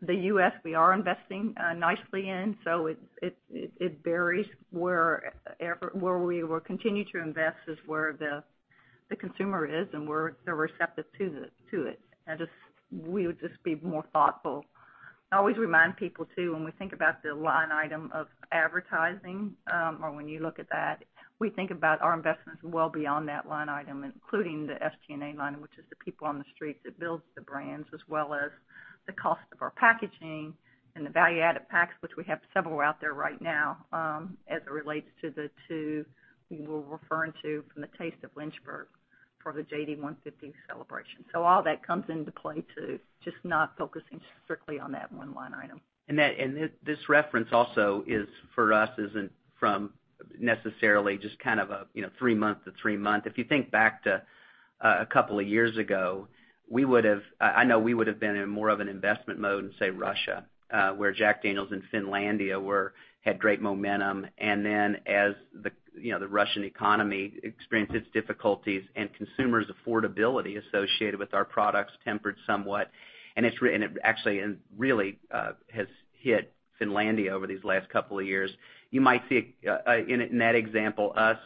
The U.S., we are investing nicely in, so it varies where we will continue to invest is where the consumer is, and where they're receptive to it. We would just be more thoughtful. I always remind people, too, when we think about the line item of advertising, or when you look at that, we think about our investments well beyond that line item, including the SG&A line, which is the people on the street that builds the brands, as well as the cost of our packaging and the value-added packs, which we have several out there right now, as it relates to the two we were referring to from the Taste of Lynchburg for the JD150 celebration. All that comes into play, too, just not focusing strictly on that one line item. This reference also is for us isn't from necessarily just a three month to three month. If you think back to a couple of years ago, I know we would've been in more of an investment mode in, say, Russia, where Jack Daniel's and Finlandia had great momentum. As the Russian economy experienced its difficulties and consumers' affordability associated with our products tempered somewhat, it actually really has hit Finlandia over these last couple of years. You might see, in that example, us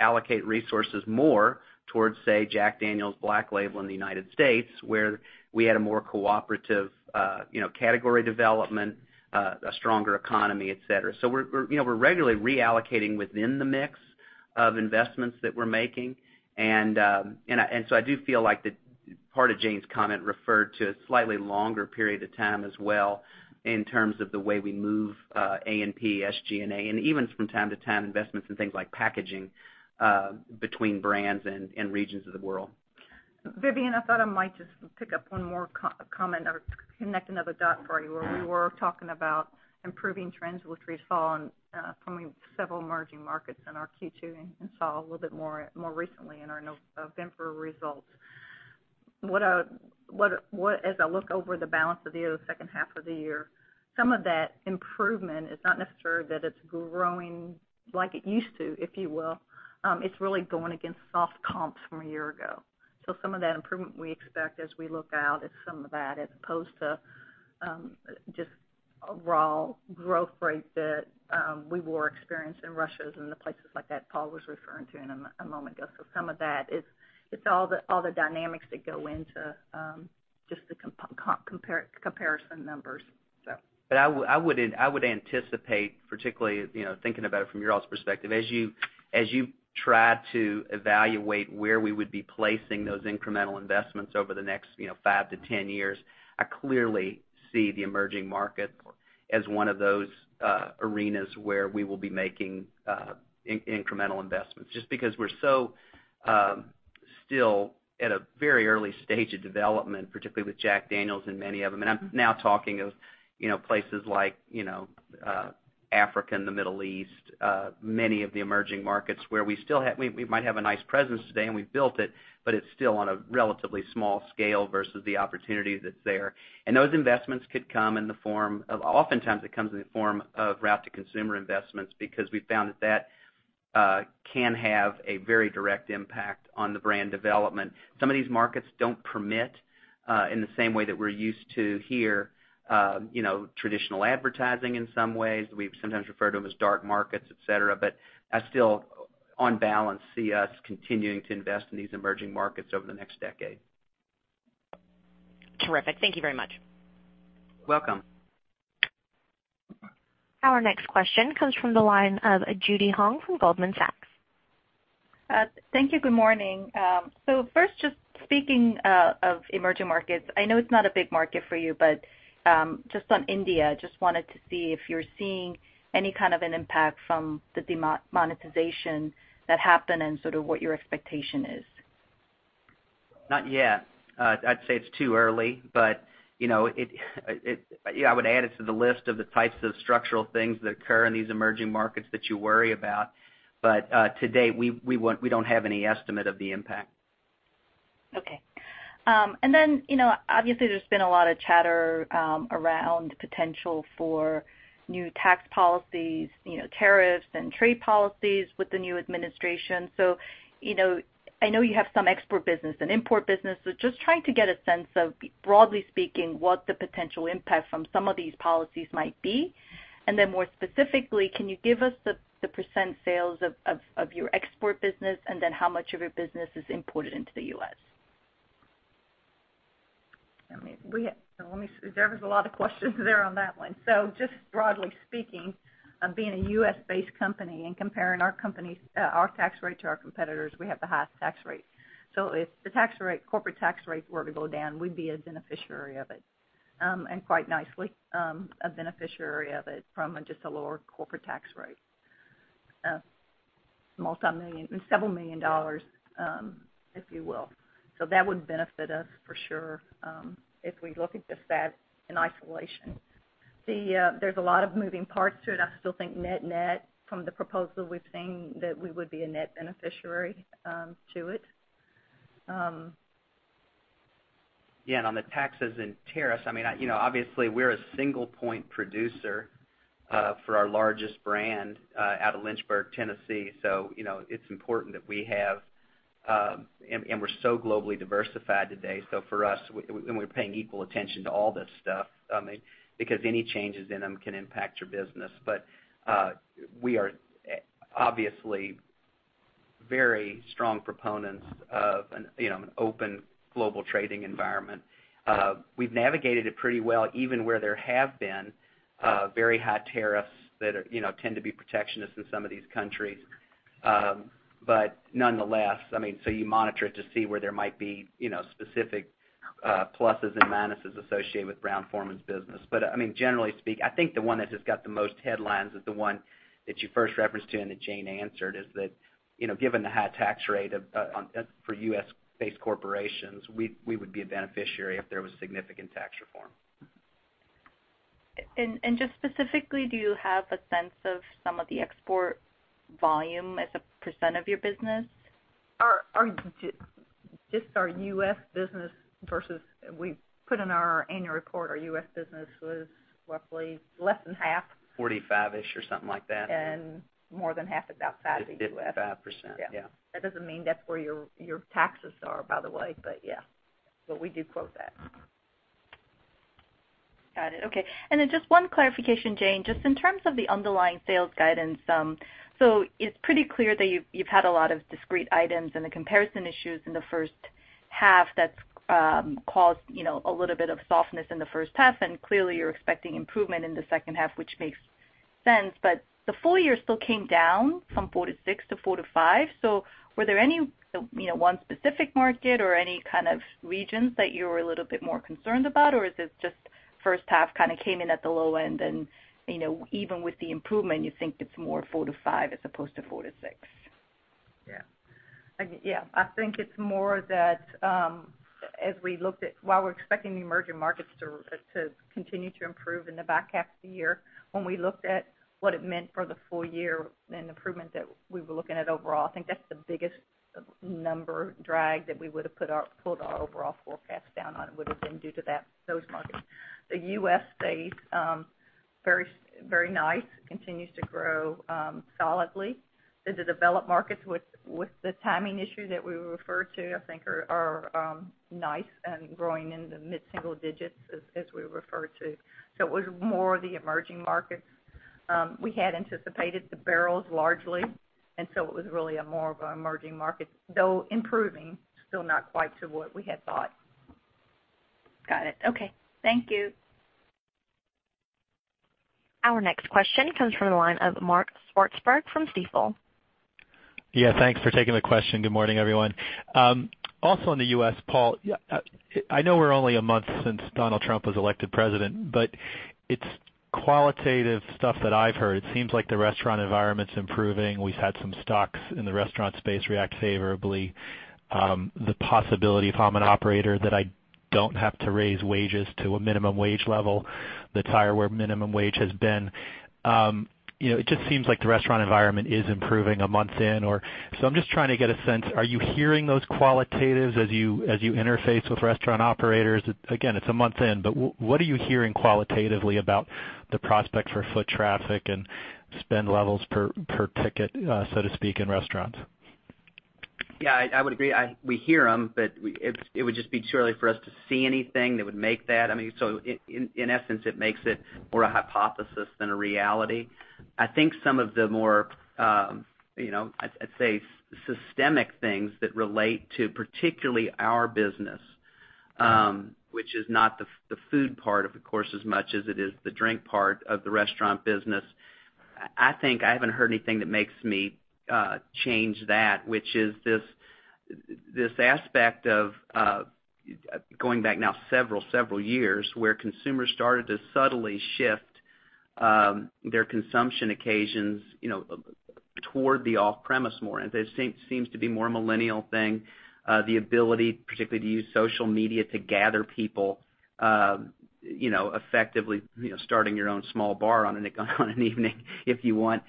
allocate resources more towards, say, Jack Daniel's Black Label in the U.S., where we had a more cooperative category development, a stronger economy, et cetera. We're regularly reallocating within the mix of investments that we're making. I do feel like part of Jane's comment referred to a slightly longer period of time as well, in terms of the way we move A&P, SG&A, and even from time to time, investments in things like packaging between brands and regions of the world. Vivien, I thought I might just pick up one more comment or connect another dot for you, where we were talking about improving trends, which we saw in several emerging markets in our Q2, and saw a little bit more recently in our November results. As I look over the balance of the other second half of the year, some of that improvement, it's not necessarily that it's growing like it used to, if you will. It's really going against soft comps from a year ago. Some of that improvement we expect as we look out is some of that, as opposed to just raw growth rate that we were experiencing in Russia and the places like that Paul was referring to a moment ago. Some of that, it's all the dynamics that go into just the comparison numbers. I would anticipate, particularly thinking about it from your all's perspective, as you try to evaluate where we would be placing those incremental investments over the next 5 to 10 years, I clearly see the emerging market as one of those arenas where we will be making incremental investments, just because we're so still at a very early stage of development, particularly with Jack Daniel's and many of them. I'm now talking of places like Africa and the Middle East, many of the emerging markets where we might have a nice presence today, and we've built it, but it's still on a relatively small scale versus the opportunity that's there. Those investments could come in the form of, oftentimes it comes in the form of route to consumer investments, because we've found that that can have a very direct impact on the brand development. Some of these markets don't permit, in the same way that we're used to here, traditional advertising in some ways. We sometimes refer to them as dark markets, et cetera. I still, on balance, see us continuing to invest in these emerging markets over the next decade. Terrific. Thank you very much. Welcome. Our next question comes from the line of Judy Hong from Goldman Sachs. Thank you. Good morning. First, just speaking of emerging markets, I know it's not a big market for you, but just on India, just wanted to see if you're seeing any kind of an impact from the demonetization that happened and sort of what your expectation is. Not yet. I'd say it's too early. I would add it to the list of the types of structural things that occur in these emerging markets that you worry about. To date, we don't have any estimate of the impact. Okay. Obviously, there's been a lot of chatter around potential for new tax policies, tariffs, and trade policies with the new administration. I know you have some export business and import business, but just trying to get a sense of, broadly speaking, what the potential impact from some of these policies might be. More specifically, can you give us the % sales of your export business, and then how much of your business is imported into the U.S.? There was a lot of questions there on that one. Just broadly speaking, being a U.S.-based company and comparing our tax rate to our competitors, we have the highest tax rate. If the corporate tax rates were to go down, we'd be a beneficiary of it. Quite nicely, a beneficiary of it from just a lower corporate tax rate. Several million dollars, if you will. That would benefit us for sure, if we look at the facts in isolation. There's a lot of moving parts to it. I still think net from the proposal we've seen, that we would be a net beneficiary to it. Yeah, on the taxes and tariffs, obviously, we're a single point producer for our largest brand out of Lynchburg, Tennessee. We're so globally diversified today, and we're paying equal attention to all this stuff, because any changes in them can impact your business. We are obviously very strong proponents of an open global trading environment. We've navigated it pretty well, even where there have been very high tariffs that tend to be protectionist in some of these countries. Nonetheless, you monitor it to see where there might be specific pluses and minuses associated with Brown-Forman's business. Generally speaking, I think the one that has got the most headlines is the one that you first referenced to and that Jane answered, is that, given the high tax rate for U.S.-based corporations, we would be a beneficiary if there was significant tax reform. Just specifically, do you have a sense of some of the export volume as a % of your business? Just our U.S. business. We put in our annual report, our U.S. business was roughly less than half. 45-ish or something like that. more than half is outside the U.S. 55%, yeah. That doesn't mean that's where your taxes are, by the way. Yeah. We do quote that. Got it. Okay. Then just one clarification, Jane. Just in terms of the underlying sales guidance, it's pretty clear that you've had a lot of discrete items and the comparison issues in the first half that's caused a little bit of softness in the first half, clearly, you're expecting improvement in the second half, which makes sense. The full year still came down from 4%-6% to 4%-5%. Were there any one specific market or any kind of regions that you're a little bit more concerned about, or is this just first half kind of came in at the low end and, even with the improvement, you think it's more 4%-5% as opposed to 4%-6%? I think it's more that, while we're expecting the emerging markets to continue to improve in the back half of the year, when we looked at what it meant for the full year and the improvement that we were looking at overall, I think that's the biggest number drag that we would've pulled our overall forecast down on, would've been due to those markets. The U.S. stayed very nice, continues to grow solidly. In the developed markets, with the timing issue that we referred to, I think are nice and growing in the mid-single digits as we refer to. It was more the emerging markets. We had anticipated the barrels largely, and so it was really a more of an emerging market. Though improving, still not quite to what we had thought. Got it. Okay. Thank you. Our next question comes from the line of Mark Swartzberg from Stifel. Thanks for taking the question. Good morning, everyone. Also in the U.S., Paul Varga, I know we're only a month since Donald Trump was elected president, but it's qualitative stuff that I've heard. It seems like the restaurant environment's improving. We've had some stocks in the restaurant space react favorably. The possibility, if I'm an operator, that I don't have to raise wages to a minimum wage level that's higher where minimum wage has been. It just seems like the restaurant environment is improving a month in. I'm just trying to get a sense, are you hearing those qualitatives as you interface with restaurant operators? Again, it's a month in, but what are you hearing qualitatively about the prospect for foot traffic and spend levels per ticket, so to speak, in restaurants? Yeah, I would agree. We hear them. It would just be too early for us to see anything that would make that. In essence, it makes it more a hypothesis than a reality. I think some of the more, I'd say, systemic things that relate to particularly our business, which is not the food part, of course, as much as it is the drink part of the restaurant business. I think I haven't heard anything that makes me change that, which is this aspect of, going back now several years, where consumers started to subtly shift their consumption occasions toward the off-premise more. It seems to be more a millennial thing, the ability particularly to use social media to gather people, effectively starting your own small bar on an evening if you want,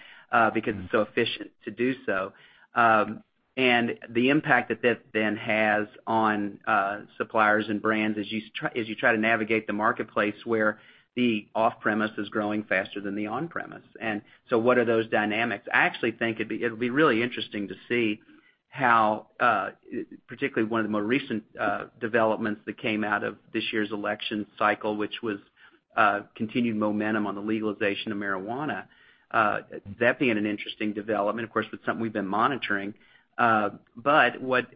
because it's so efficient to do so. The impact that that then has on suppliers and brands as you try to navigate the marketplace where the off-premise is growing faster than the on-premise. What are those dynamics? I actually think it'll be really interesting to see how, particularly one of the more recent developments that came out of this year's election cycle, which was continued momentum on the legalization of marijuana. That being an interesting development, of course, but something we've been monitoring. This would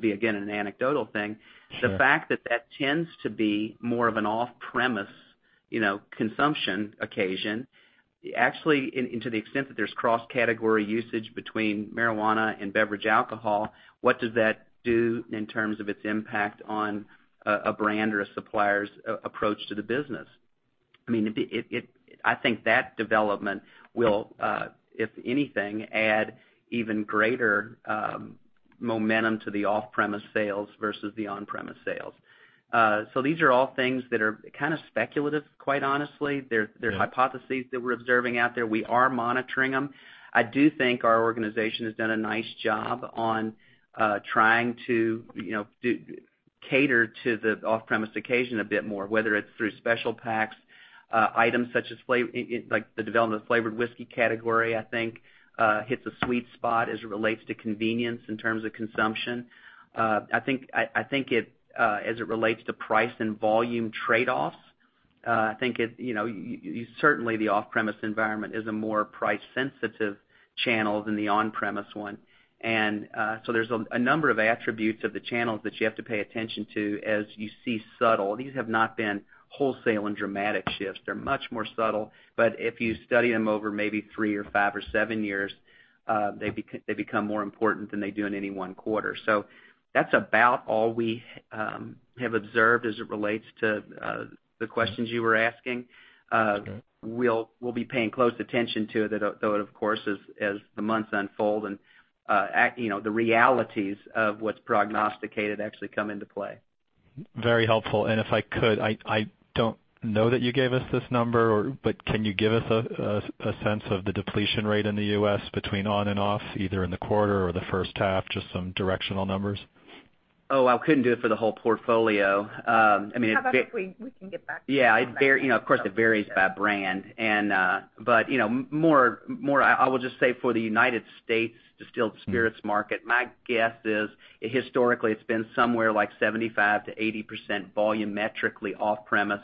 be, again, an anecdotal thing. Sure. The fact that that tends to be more of an off-premise consumption occasion, actually, and to the extent that there's cross-category usage between marijuana and beverage alcohol, what does that do in terms of its impact on a brand or a supplier's approach to the business? I think that development will, if anything, add even greater momentum to the off-premise sales versus the on-premise sales. These are all things that are kind of speculative, quite honestly. They're hypotheses that we're observing out there. We are monitoring them. I do think our organization has done a nice job on trying to cater to the off-premise occasion a bit more, whether it's through special packs, items such as the development of flavored whiskey category, I think, hits a sweet spot as it relates to convenience in terms of consumption. I think as it relates to price and volume trade-offs, certainly, the off-premise environment is a more price-sensitive channel than the on-premise one. There's a number of attributes of the channels that you have to pay attention to as you see subtle. These have not been wholesale and dramatic shifts. They're much more subtle, but if you study them over maybe three or five or seven years, they become more important than they do in any one quarter. That's about all we have observed as it relates to the questions you were asking. Okay. We'll be paying close attention to it though, of course, as the months unfold, and the realities of what's prognosticated actually come into play. Very helpful. If I could, I don't know that you gave us this number, but can you give us a sense of the depletion rate in the U.S. between on and off, either in the quarter or the first half, just some directional numbers? Oh, I couldn't do it for the whole portfolio. I mean. How about if we can get back to you on that? Yeah. Of course, it varies by brand. I will just say for the United States distilled spirits market, my guess is historically it's been somewhere like 75%-80% volumetrically off-premise.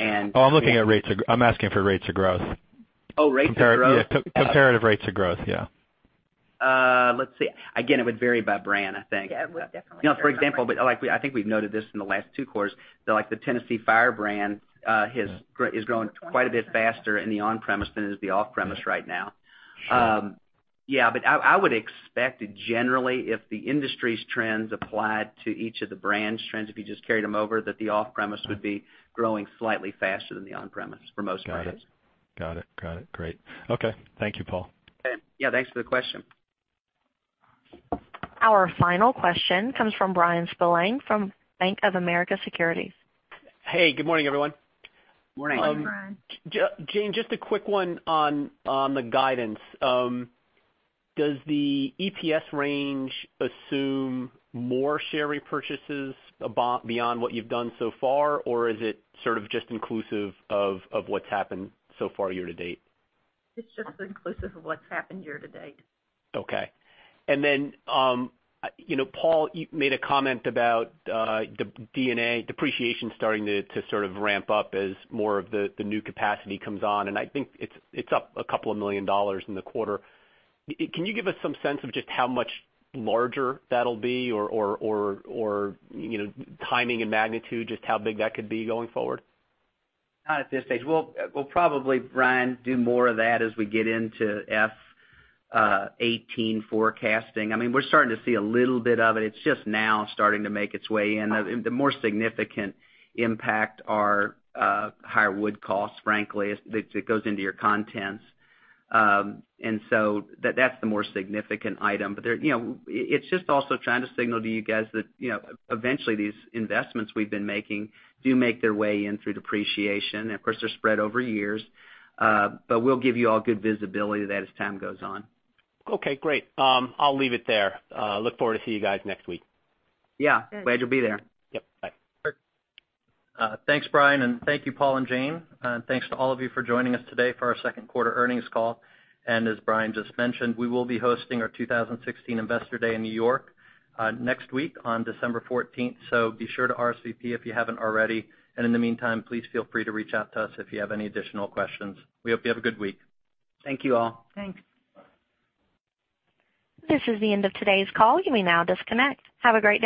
Oh, I'm asking for rates of growth. Oh, rates of growth? Yeah. Comparative rates of growth, yeah. Let's see. Again, it would vary by brand, I think. Yeah, it would definitely vary by brand. For example, I think we've noted this in the last two quarters, like the Tennessee Fire brand is growing quite a bit faster in the on-premise than it is the off-premise right now. Sure. Yeah. I would expect generally if the industry's trends applied to each of the brands' trends, if you just carried them over, that the off-premise would be growing slightly faster than the on-premise for most brands. Got it. Great. Okay. Thank you, Paul. Okay. Yeah, thanks for the question. Our final question comes from Bryan Spillane from Bank of America Securities. Hey, good morning, everyone. Morning. Good morning. Jane, just a quick one on the guidance. Does the EPS range assume more share repurchases beyond what you've done so far? Or is it sort of just inclusive of what's happened so far year to date? It's just inclusive of what's happened year to date. Okay. Paul, you made a comment about D&A, depreciation starting to sort of ramp up as more of the new capacity comes on, and I think it's up a couple of million dollars in the quarter. Can you give us some sense of just how much larger that'll be or timing and magnitude, just how big that could be going forward? Not at this stage. We'll probably, Bryan, do more of that as we get into FY 2018 forecasting. We're starting to see a little bit of it. It's just now starting to make its way in. The more significant impact are higher wood costs, frankly, that goes into your contents. That's the more significant item. It's just also trying to signal to you guys that eventually these investments we've been making do make their way in through depreciation. Of course, they're spread over years. We'll give you all good visibility to that as time goes on. Okay, great. I'll leave it there. Look forward to see you guys next week. Yeah. Glad you'll be there. Yep. Bye. Thanks, Bryan, and thank you, Paul and Jane. Thanks to all of you for joining us today for our second quarter earnings call. As Bryan just mentioned, we will be hosting our 2016 Investor Day in New York next week on December 14th, so be sure to RSVP if you haven't already. In the meantime, please feel free to reach out to us if you have any additional questions. We hope you have a good week. Thank you all. Thanks. Bye. This is the end of today's call. You may now disconnect. Have a great day.